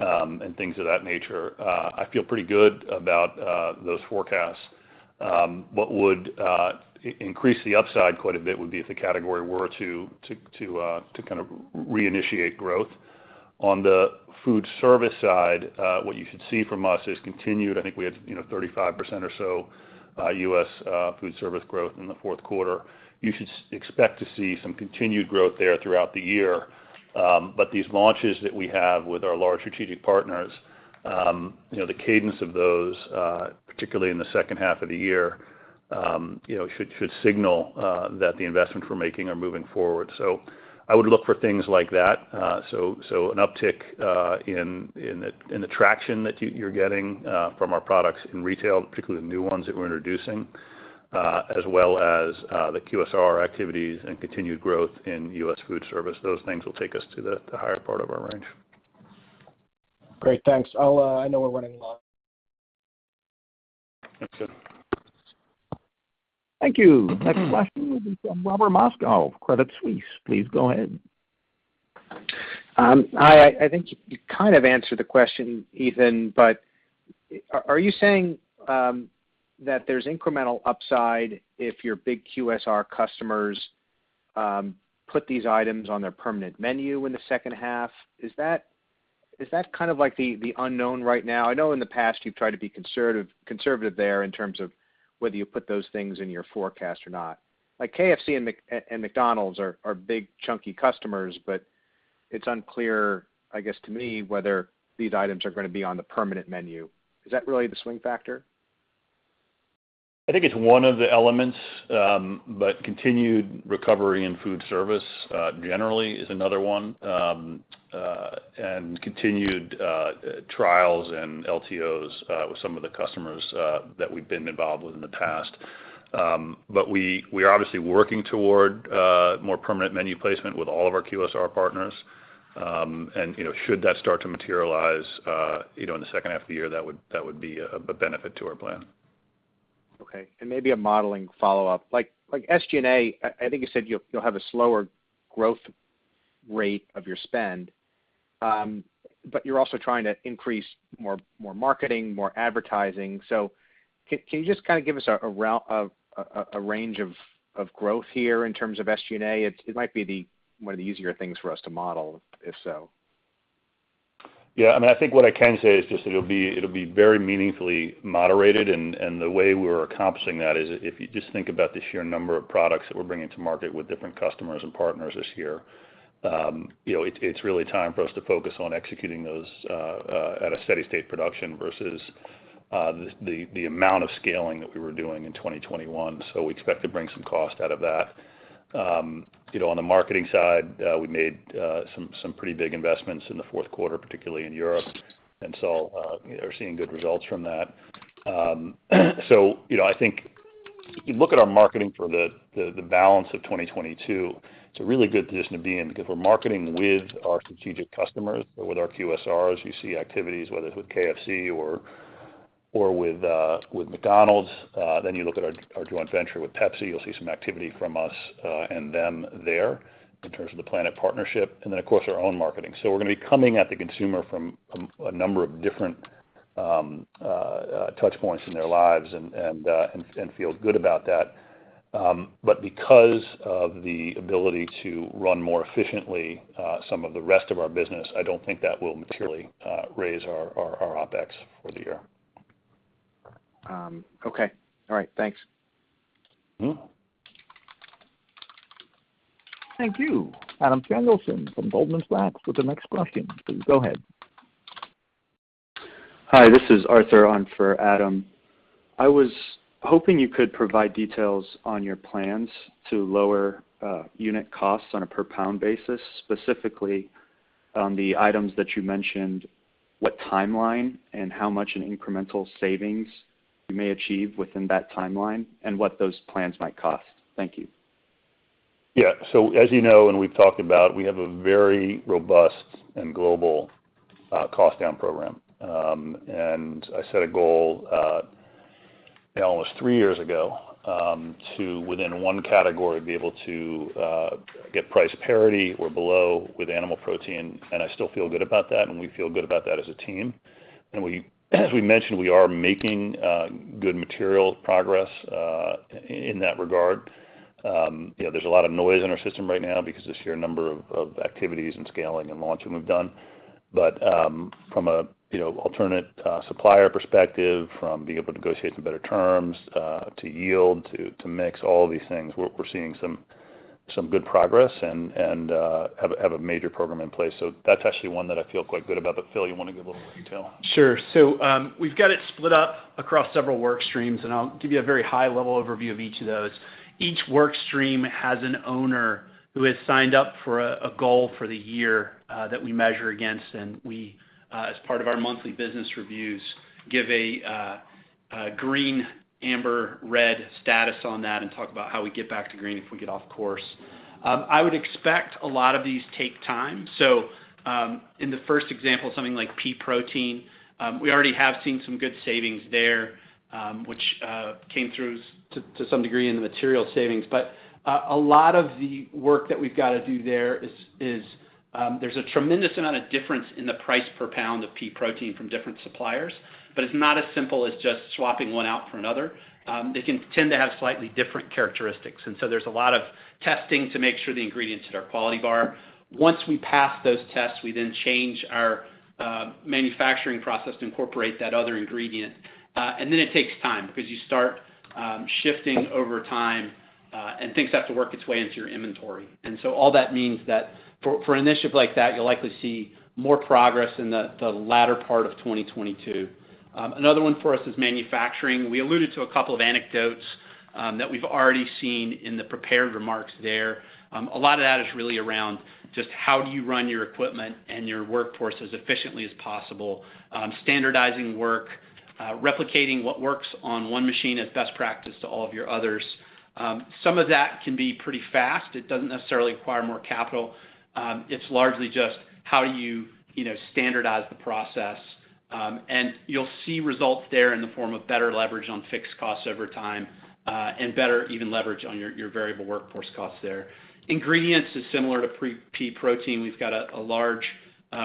[SPEAKER 3] and things of that nature, I feel pretty good about those forecasts. What would increase the upside quite a bit would be if the category were to kind of re-initiate growth. On the food service side, what you should see from us is continued, I think we had, you know, 35% or so, U.S. food service growth in the Q4. You should expect to see some continued growth there throughout the year. These launches that we have with our large strategic partners, you know, the cadence of those, particularly in the H2 of the year, you know, should signal that the investments we're making are moving forward. I would look for things like that, an uptick in the traction that you're getting from our products in retail, particularly the new ones that we're introducing, as well as the QSR activities and continued growth in U.S. food service. Those things will take us to the higher part of our range.
[SPEAKER 6] Great. Thanks. I know we're running low.
[SPEAKER 3] That's it.
[SPEAKER 1] Thank you. Next question will be from Robert Moskow of Credit Suisse. Please go ahead.
[SPEAKER 7] I think you kind of answered the question, Ethan, but are you saying that there's incremental upside if your big QSR customers put these items on their permanent menu in the H2? Is that kind of like the unknown right now? I know in the past you've tried to be conservative there in terms of whether you put those things in your forecast or not. Like KFC and McDonald's are big chunky customers, but it's unclear, I guess, to me, whether these items are gonna be on the permanent menu. Is that really the swing factor?
[SPEAKER 3] I think it's one of the elements, but continued recovery in food service generally is another one. Continued trials and LTOs with some of the customers that we've been involved with in the past. We are obviously working toward a more permanent menu placement with all of our QSR partners. You know, should that start to materialize, you know, in the H2 of the year, that would be a benefit to our plan.
[SPEAKER 7] Okay. Maybe a modeling follow-up. Like SG&A, I think you said you'll have a slower growth rate of your spend, but you're also trying to increase more marketing, more advertising. Can you just kind of give us a range of growth here in terms of SG&A? It might be the one of the easier things for us to model, if so.
[SPEAKER 3] Yeah. I mean, I think what I can say is just that it'll be very meaningfully moderated, and the way we're accomplishing that is if you just think about the sheer number of products that we're bringing to market with different customers and partners this year, it's really time for us to focus on executing those at a steady state production versus the amount of scaling that we were doing in 2021. We expect to bring some cost out of that. On the marketing side, we made some pretty big investments in the Q4, particularly in Europe. We are seeing good results from that. You know, I think if you look at our marketing for the balance of 2022, it's a really good position to be in because we're marketing with our strategic customers or with our QSRs. You see activities, whether it's with KFC or with McDonald's. Then you look at our joint venture with Pepsi, you'll see some activity from us and them there in terms of The PLANeT partnership, and then, of course, our own marketing. We're gonna be coming at the consumer from a number of different touch points in their lives and feel good about that. Because of the ability to run more efficiently some of the rest of our business, I don't think that will materially raise our OpEx for the year.
[SPEAKER 7] Okay. All right. Thanks.
[SPEAKER 3] Mm-hmm.
[SPEAKER 1] Thank you. Adam Samuelson from Goldman Sachs with the next question. Please go ahead.
[SPEAKER 8] Hi, this is Arthur on for Adam. I was hoping you could provide details on your plans to lower unit costs on a per pound basis, specifically on the items that you mentioned, what timeline and how much in incremental savings you may achieve within that timeline and what those plans might cost? Thank you.
[SPEAKER 3] Yeah. As you know, and we've talked about, we have a very robust and global cost down program. I set a goal almost three years ago to within one category be able to get price parity or below with animal protein. I still feel good about that, and we feel good about that as a team. We, as we mentioned, we are making good material progress in that regard. You know, there's a lot of noise in our system right now because of the sheer number of activities and scaling and launching we've done. From a you know alternate supplier perspective, from being able to negotiate some better terms to yield to mix all these things, we're seeing some good progress and have a major program in place. That's actually one that I feel quite good about. Phil, you wanna give a little detail?
[SPEAKER 4] Sure. We've got it split up across several work streams, and I'll give you a very high-level overview of each of those. Each work stream has an owner who has signed up for a goal for the year that we measure against. We, as part of our monthly business reviews, give a green, amber, red status on that and talk about how we get back to green if we get off course. I would expect a lot of these take time. In the first example, something like pea protein, we already have seen some good savings there, which came through to some degree in the material savings. A lot of the work that we've gotta do there is there's a tremendous amount of difference in the price per pound of pea protein from different suppliers, but it's not as simple as just swapping one out for another. They can tend to have slightly different characteristics, and so there's a lot of testing to make sure the ingredients hit our quality bar. Once we pass those tests, we then change our manufacturing process to incorporate that other ingredient. And then it takes time because you start shifting over time, and things have to work its way into your inventory. All that means that for an initiative like that, you'll likely see more progress in the latter part of 2022. Another one for us is manufacturing. We alluded to a couple of anecdotes that we've already seen in the prepared remarks there. A lot of that is really around just how do you run your equipment and your workforce as efficiently as possible, standardizing work, replicating what works on one machine as best practice to all of your others. Some of that can be pretty fast. It doesn't necessarily require more capital. It's largely just how do you know, standardize the process. You'll see results there in the form of better leverage on fixed costs over time, and better even leverage on your variable workforce costs there. Ingredients is similar to pea protein. We've got a large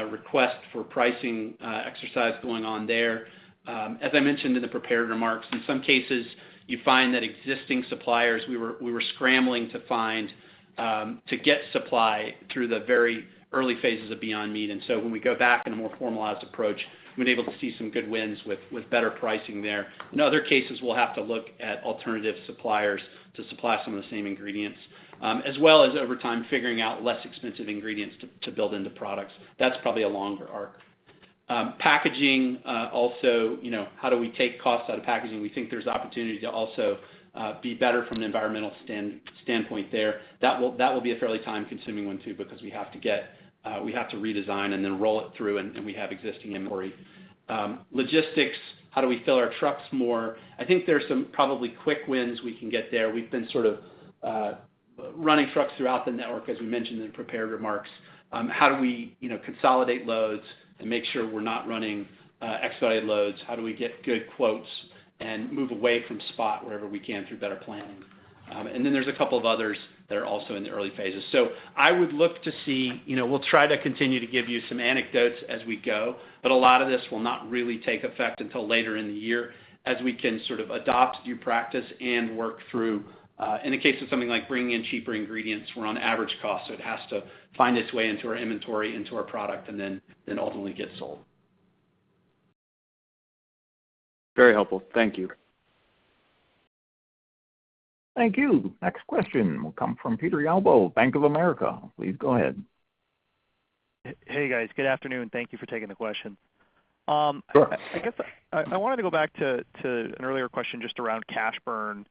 [SPEAKER 4] request for pricing exercise going on there. As I mentioned in the prepared remarks, in some cases, you find that existing suppliers we were scrambling to find to get supply through the very early phases of Beyond Meat. When we go back in a more formalized approach, we've been able to see some good wins with better pricing there. In other cases, we'll have to look at alternative suppliers to supply some of the same ingredients, as well as over time figuring out less expensive ingredients to build into products. That's probably a longer arc. Packaging also, you know, how do we take costs out of packaging? We think there's opportunity to also be better from an environmental standpoint there. That will be a fairly time-consuming one too because we have to redesign and then roll it through, and we have existing inventory. Logistics, how do we fill our trucks more? I think there's probably some quick wins we can get there. We've been sort of running trucks throughout the network, as we mentioned in prepared remarks. How do we, you know, consolidate loads and make sure we're not running expedited loads? How do we get good quotes and move away from spot wherever we can through better planning? And then there's a couple of others that are also in the early phases. I would look to see. You know, we'll try to continue to give you some anecdotes as we go, but a lot of this will not really take effect until later in the year as we can sort of adopt new practice and work through, in the case of something like bringing in cheaper ingredients, we're on average cost, so it has to find its way into our inventory, into our product, and then ultimately get sold.
[SPEAKER 8] Very helpful. Thank you.
[SPEAKER 1] Thank you. Next question will come from Peter Galbo, Bank of America. Please go ahead.
[SPEAKER 9] Hey, guys. Good afternoon. Thank you for taking the question.
[SPEAKER 3] Sure.
[SPEAKER 9] I guess I wanted to go back to an earlier question just around cash burn.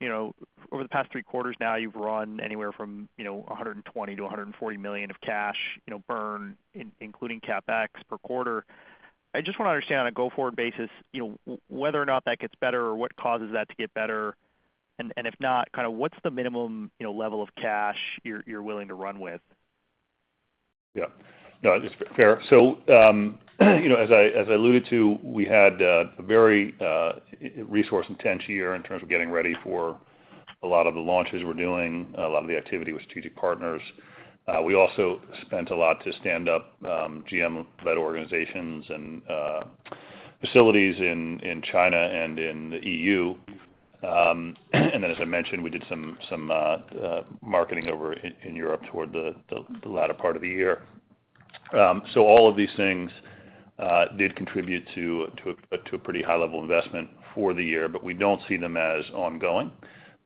[SPEAKER 9] You know, over the past three quarters now, you've run anywhere from, you know, $120 million-$140 million of cash burn including CapEx per quarter. I just wanna understand on a go-forward basis, you know, whether or not that gets better or what causes that to get better. If not, kinda what's the minimum, you know, level of cash you're willing to run with?
[SPEAKER 3] Yeah. No, it's fair. You know, as I alluded to, we had a very resource intense year in terms of getting ready for a lot of the launches we're doing, a lot of the activity with strategic partners. We also spent a lot to stand up GM-led organizations and facilities in China and in the E.U. And then as I mentioned, we did some marketing over in Europe toward the latter part of the year. All of these things did contribute to a pretty high-level investment for the year, but we don't see them as ongoing.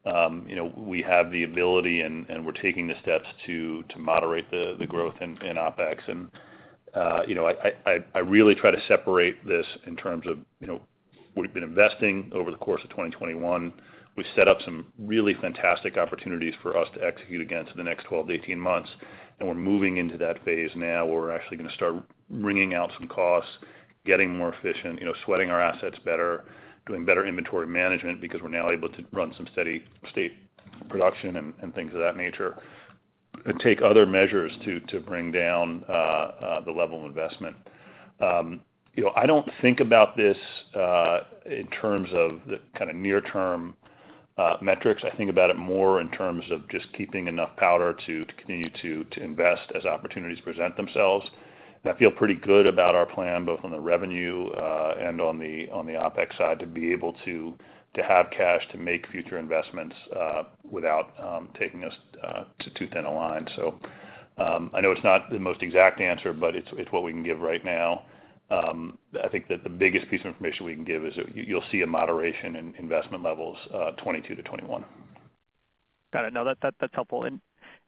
[SPEAKER 3] You know, we have the ability and we're taking the steps to moderate the growth in OpEx. You know, I really try to separate this in terms of, you know, we've been investing over the course of 2021. We've set up some really fantastic opportunities for us to execute against in the next 12 months-18 months, and we're moving into that phase now, where we're actually gonna start wringing out some costs, getting more efficient, you know, sweating our assets better, doing better inventory management because we're now able to run some steady state production and things of that nature, and take other measures to bring down the level of investment. You know, I don't think about this in terms of the kinda near-term metrics. I think about it more in terms of just keeping enough powder to continue to invest as opportunities present themselves. I feel pretty good about our plan, both on the revenue and on the OpEx side, to be able to have cash to make future investments without taking us to too thin a line. I know it's not the most exact answer, but it's what we can give right now. I think that the biggest piece of information we can give is that you'll see a moderation in investment levels, 2022-2021.
[SPEAKER 9] Got it. No, that's helpful.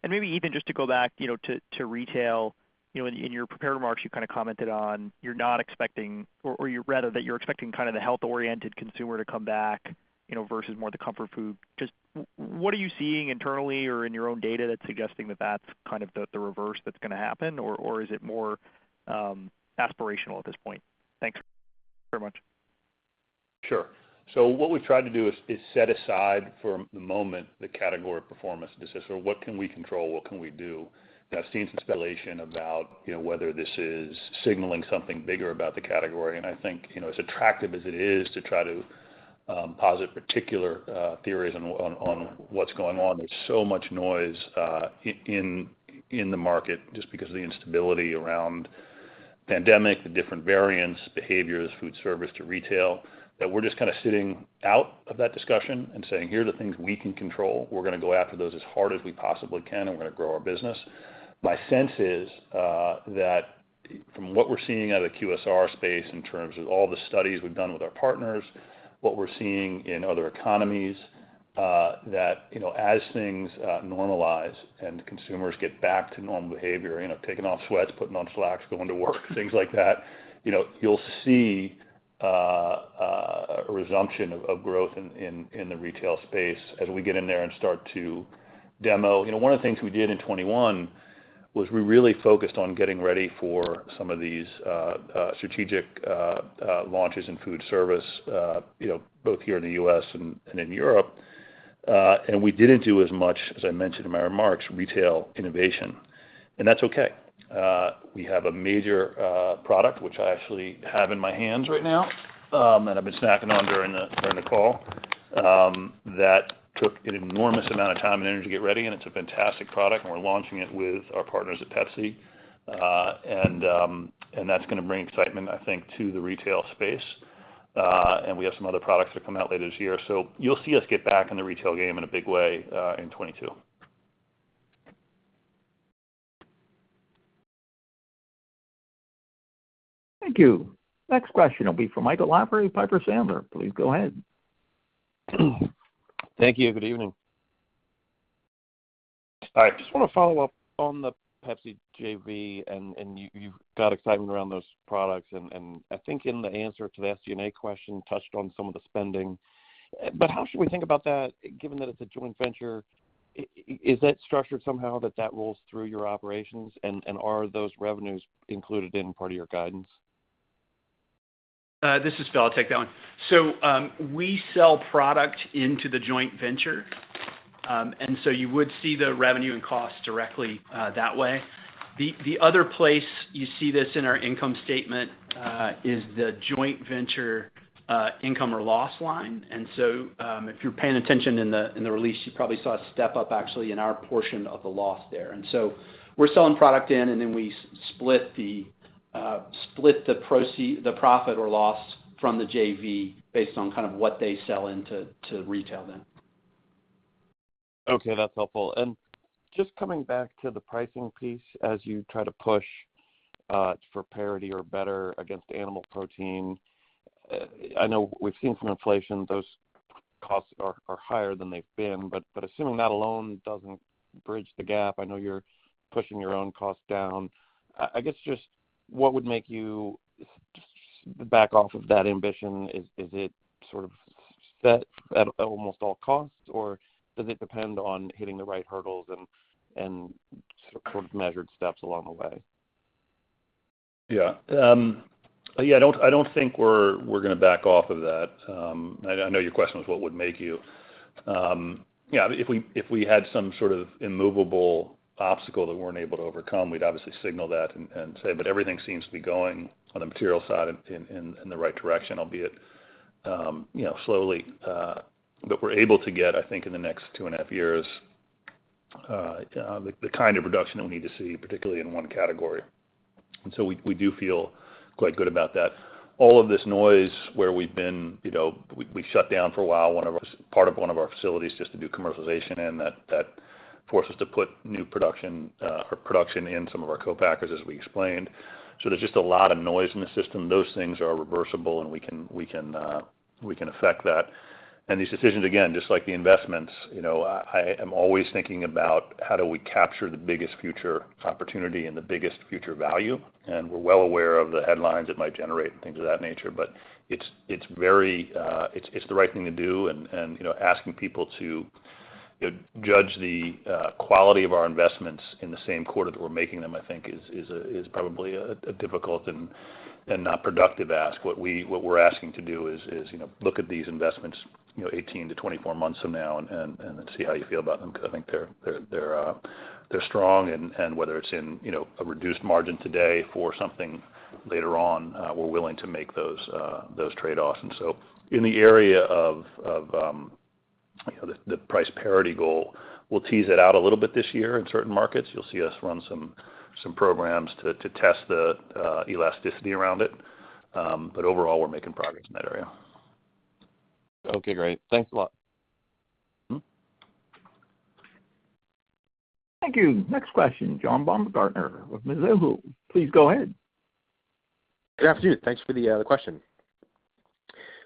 [SPEAKER 9] Maybe even just to go back, you know, to retail, you know, in your prepared remarks, you kind of commented on you're not expecting or you rather that you're expecting kind of the health-oriented consumer to come back, you know, versus more the comfort food. Just what are you seeing internally or in your own data that's suggesting that that's kind of the reverse that's gonna happen, or is it more aspirational at this point? Thanks very much.
[SPEAKER 3] Sure. What we've tried to do is set aside for the moment the category performance and just say, what can we control? What can we do? Now, I've seen some speculation about, you know, whether this is signaling something bigger about the category. I think, you know, as attractive as it is to try to posit particular theories on what's going on, there's so much noise in the market just because of the instability around pandemic, the different variants, behaviors, food service to retail, that we're just kind of sitting out of that discussion and saying, "Here are the things we can control. We're gonna go after those as hard as we possibly can, and we're gonna grow our business." My sense is that from what we're seeing out of the QSR space in terms of all the studies we've done with our partners, what we're seeing in other economies, that you know as things normalize and consumers get back to normal behavior, you know, taking off sweats, putting on slacks, going to work, things like that, you know, you'll see a resumption of growth in the retail space as we get in there and start to demo. You know, one of the things we did in 2021 was we really focused on getting ready for some of these strategic launches in food service, you know, both here in the U.S. and in Europe. We didn't do as much, as I mentioned in my remarks, retail innovation, and that's okay. We have a major product, which I actually have in my hands right now, and I've been snacking on during the call, that took an enormous amount of time and energy to get ready, and it's a fantastic product, and we're launching it with our partners at Pepsi. That's gonna bring excitement, I think, to the retail space. We have some other products that come out later this year. You'll see us get back in the retail game in a big way, in 2022.
[SPEAKER 1] Thank you. Next question will be from Michael Lavery, Piper Sandler. Please go ahead.
[SPEAKER 10] Thank you. Good evening. I just wanna follow up on the Pepsi JV, and you've got excitement around those products. I think in the answer to the SG&A question touched on some of the spending. How should we think about that given that it's a joint venture? Is that structured somehow that rolls through your operations? Are those revenues included in part of your guidance?
[SPEAKER 4] This is Phil. I'll take that one. We sell product into the joint venture. You would see the revenue and cost directly that way. The other place you see this in our income statement is the joint venture income or loss line. If you're paying attention in the release, you probably saw a step up actually in our portion of the loss there. We're selling product into the joint venture, and then we split the proceeds, the profit or loss from the JV based on kind of what they sell into retail then.
[SPEAKER 10] Okay, that's helpful. Just coming back to the pricing piece as you try to push for parity or better against animal protein. I know we've seen some inflation. Those costs are higher than they've been. Assuming that alone doesn't bridge the gap, I know you're pushing your own costs down. I guess just what would make you scale back from that ambition? Is it sort of set at all costs, or does it depend on hitting the right hurdles and sort of measured steps along the way?
[SPEAKER 3] I don't think we're gonna back off of that. I know your question was what would make you. If we had some sort of immovable obstacle that we weren't able to overcome, we'd obviously signal that and say, but everything seems to be going on the material side in the right direction, albeit, you know, slowly. But we're able to get, I think in the next two and a half years, the kind of reduction that we need to see, particularly in one category. We do feel quite good about that. All of this noise where we've been, we shut down for a while one of our facilities just to do commercialization and that forced us to put new production or production in some of our co-packers, as we explained. There's just a lot of noise in the system. Those things are reversible, and we can affect that. These decisions, again, just like the investments, I am always thinking about how do we capture the biggest future opportunity and the biggest future value, and we're well aware of the headlines it might generate and things of that nature. It's very, it's the right thing to do and, you know, asking people to, you know, judge the quality of our investments in the same quarter that we're making them. I think is probably a difficult and not productive ask. What we're asking to do is, you know, look at these investments, you know, 18 months-24 months from now and see how you feel about them because I think they're strong and whether it's in, you know, a reduced margin today for something later on, we're willing to make those trade-offs. In the area of, you know, the price parity goal, we'll tease it out a little bit this year in certain markets. You'll see us run some programs to test the elasticity around it. Overall, we're making progress in that area.
[SPEAKER 10] Okay, great. Thanks a lot.
[SPEAKER 3] Hmm.
[SPEAKER 1] Thank you. Next question, John Baumgartner with Mizuho. Please go ahead.
[SPEAKER 11] Good afternoon. Thanks for the question.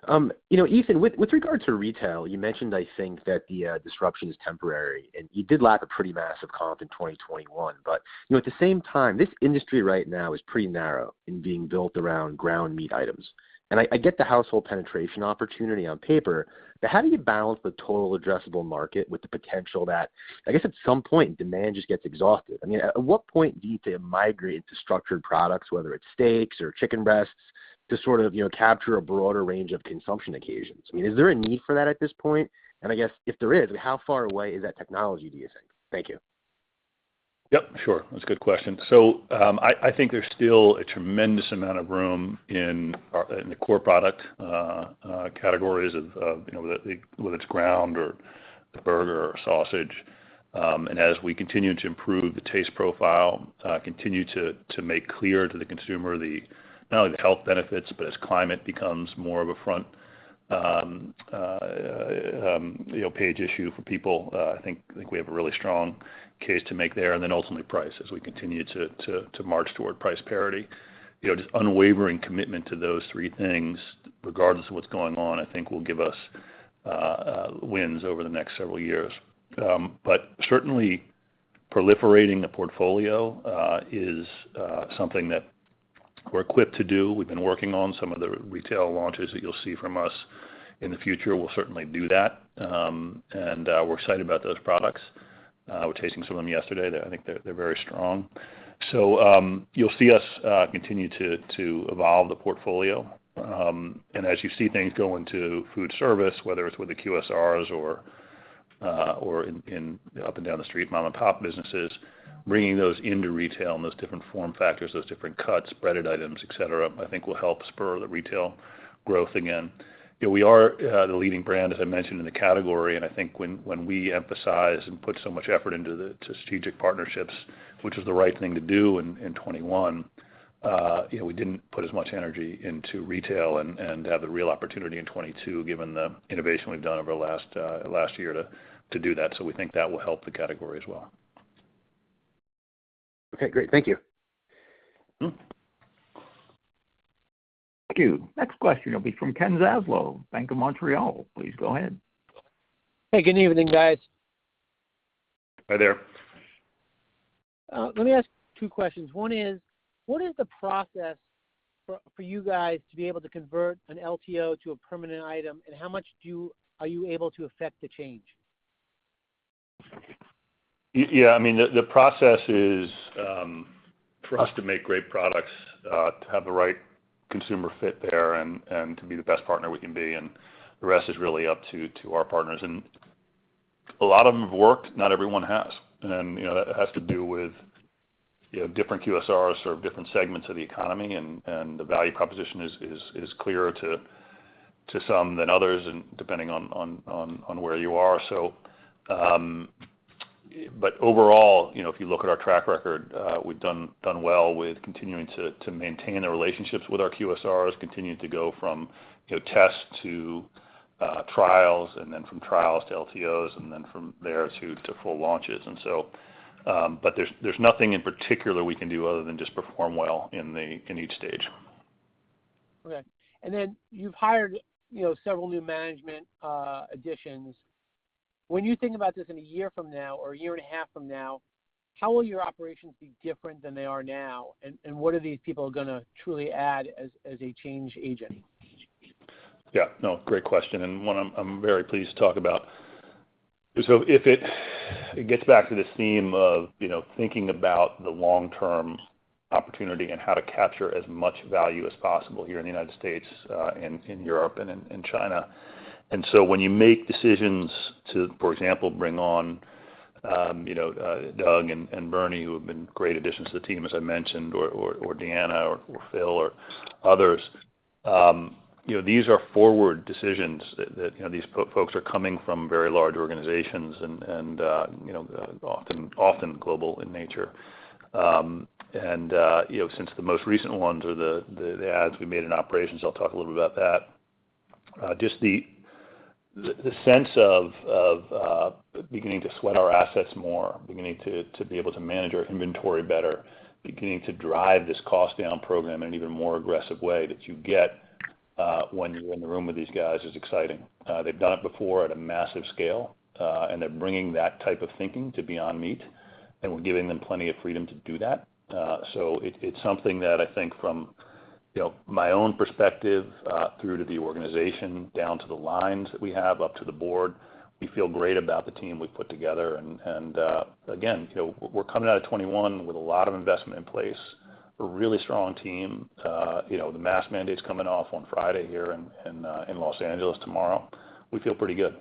[SPEAKER 11] You know, Ethan, with regard to retail, you mentioned, I think, that the disruption is temporary, and you did lack a pretty massive comp in 2021. You know, at the same time, this industry right now is pretty narrow in being built around ground meat items. I get the household penetration opportunity on paper, but how do you balance the total addressable market with the potential that, I guess at some point, demand just gets exhausted? I mean, at what point do you need to migrate to structured products, whether it's steaks or chicken breasts, to sort of, you know, capture a broader range of consumption occasions? I mean, is there a need for that at this point? I guess if there is, how far away is that technology, do you think? Thank you.
[SPEAKER 3] Yep, sure. That's a good question. I think there's still a tremendous amount of room in the core product categories of, you know, whether it's ground or the burger or sausage. As we continue to improve the taste profile, continue to make clear to the consumer the not only the health benefits, but as climate becomes more of a front-page issue for people, I think we have a really strong case to make there. Ultimately price, as we continue to march toward price parity. You know, just unwavering commitment to those three things regardless of what's going on, I think will give us wins over the next several years. Certainly, proliferating the portfolio is something that we're equipped to do. We've been working on some of the retail launches that you'll see from us in the future. We'll certainly do that. We're excited about those products. We were tasting some of them yesterday. I think they're very strong. You'll see us continue to evolve the portfolio. As you see things go into food service, whether it's with the QSRs or in up and down the street, mom and pop businesses, bringing those into retail and those different form factors, those different cuts, breaded items, et cetera, I think will help spur the retail growth again. You know, we are the leading brand, as I mentioned, in the category. I think when we emphasize and put so much effort into the strategic partnerships, which was the right thing to do in 2021, you know, we didn't put as much energy into retail and have the real opportunity in 2022 given the innovation we've done over the last year to do that. So we think that will help the category as well.
[SPEAKER 11] Okay, great. Thank you.
[SPEAKER 3] Mm-hmm.
[SPEAKER 1] Thank you. Next question will be from Ken Zaslow, Bank of Montreal. Please go ahead.
[SPEAKER 12] Hey, good evening, guys.
[SPEAKER 3] Hi there.
[SPEAKER 12] Let me ask two questions. One is, what is the process for you guys to be able to convert an LTO to a permanent item? How much are you able to affect the change?
[SPEAKER 3] Yeah. I mean, the process is for us to make great products to have the right consumer fit there and to be the best partner we can be, and the rest is really up to our partners. A lot of them have worked, not everyone has. You know, that has to do with you know, different QSRs or different segments of the economy and the value proposition is clearer to some than others and depending on where you are. Overall, you know, if you look at our track record, we've done well with continuing to maintain the relationships with our QSRs, continuing to go from you know, tests to trials and then from trials to LTOs and then from there to full launches. There's nothing in particular we can do other than just perform well in each stage.
[SPEAKER 12] Okay. Then you've hired, you know, several new management additions. When you think about this in a year from now or a year and a half from now, how will your operations be different than they are now? What are these people gonna truly add as a change agent?
[SPEAKER 3] Yeah. No, great question and one I'm very pleased to talk about. If it gets back to this theme of you know thinking about the long-term opportunity and how to capture as much value as possible here in the U.S. in Europe and in China. When you make decisions to for example bring on Doug and Bernie who have been great additions to the team as I mentioned or Deanna or Phil or others you know these are forward decisions that you know these folks are coming from very large organizations and you know often global in nature. Since the most recent ones are the adds we made in operations I'll talk a little bit about that. Just the sense of beginning to sweat our assets more, beginning to be able to manage our inventory better, beginning to drive this cost down program in an even more aggressive way that you get when you're in the room with these guys is exciting. They've done it before at a massive scale, and they're bringing that type of thinking to Beyond Meat, and we're giving them plenty of freedom to do that. It's something that I think from, you know, my own perspective through to the organization, down to the lines that we have, up to the board, we feel great about the team we've put together. Again, you know, we're coming out of 2021 with a lot of investment in place, a really strong team, you know, the mask mandate's coming off on Friday here in Los Angeles tomorrow. We feel pretty good.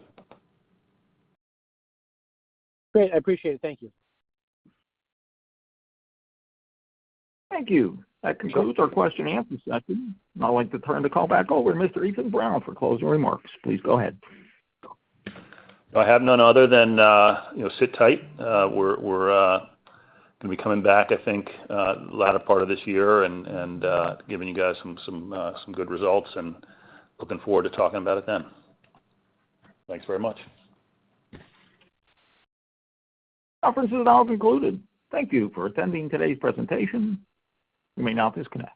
[SPEAKER 12] Great. I appreciate it. Thank you.
[SPEAKER 1] Thank you. That concludes our Q&A section. I'd like to turn the call back over to Mr. Ethan Brown for closing remarks. Please go ahead.
[SPEAKER 3] I have none other than, you know, sit tight. We're gonna be coming back, I think, later part of this year and giving you guys some good results and looking forward to talking about it then. Thanks very much.
[SPEAKER 1] Conference is now concluded. Thank you for attending today's presentation. You may now disconnect.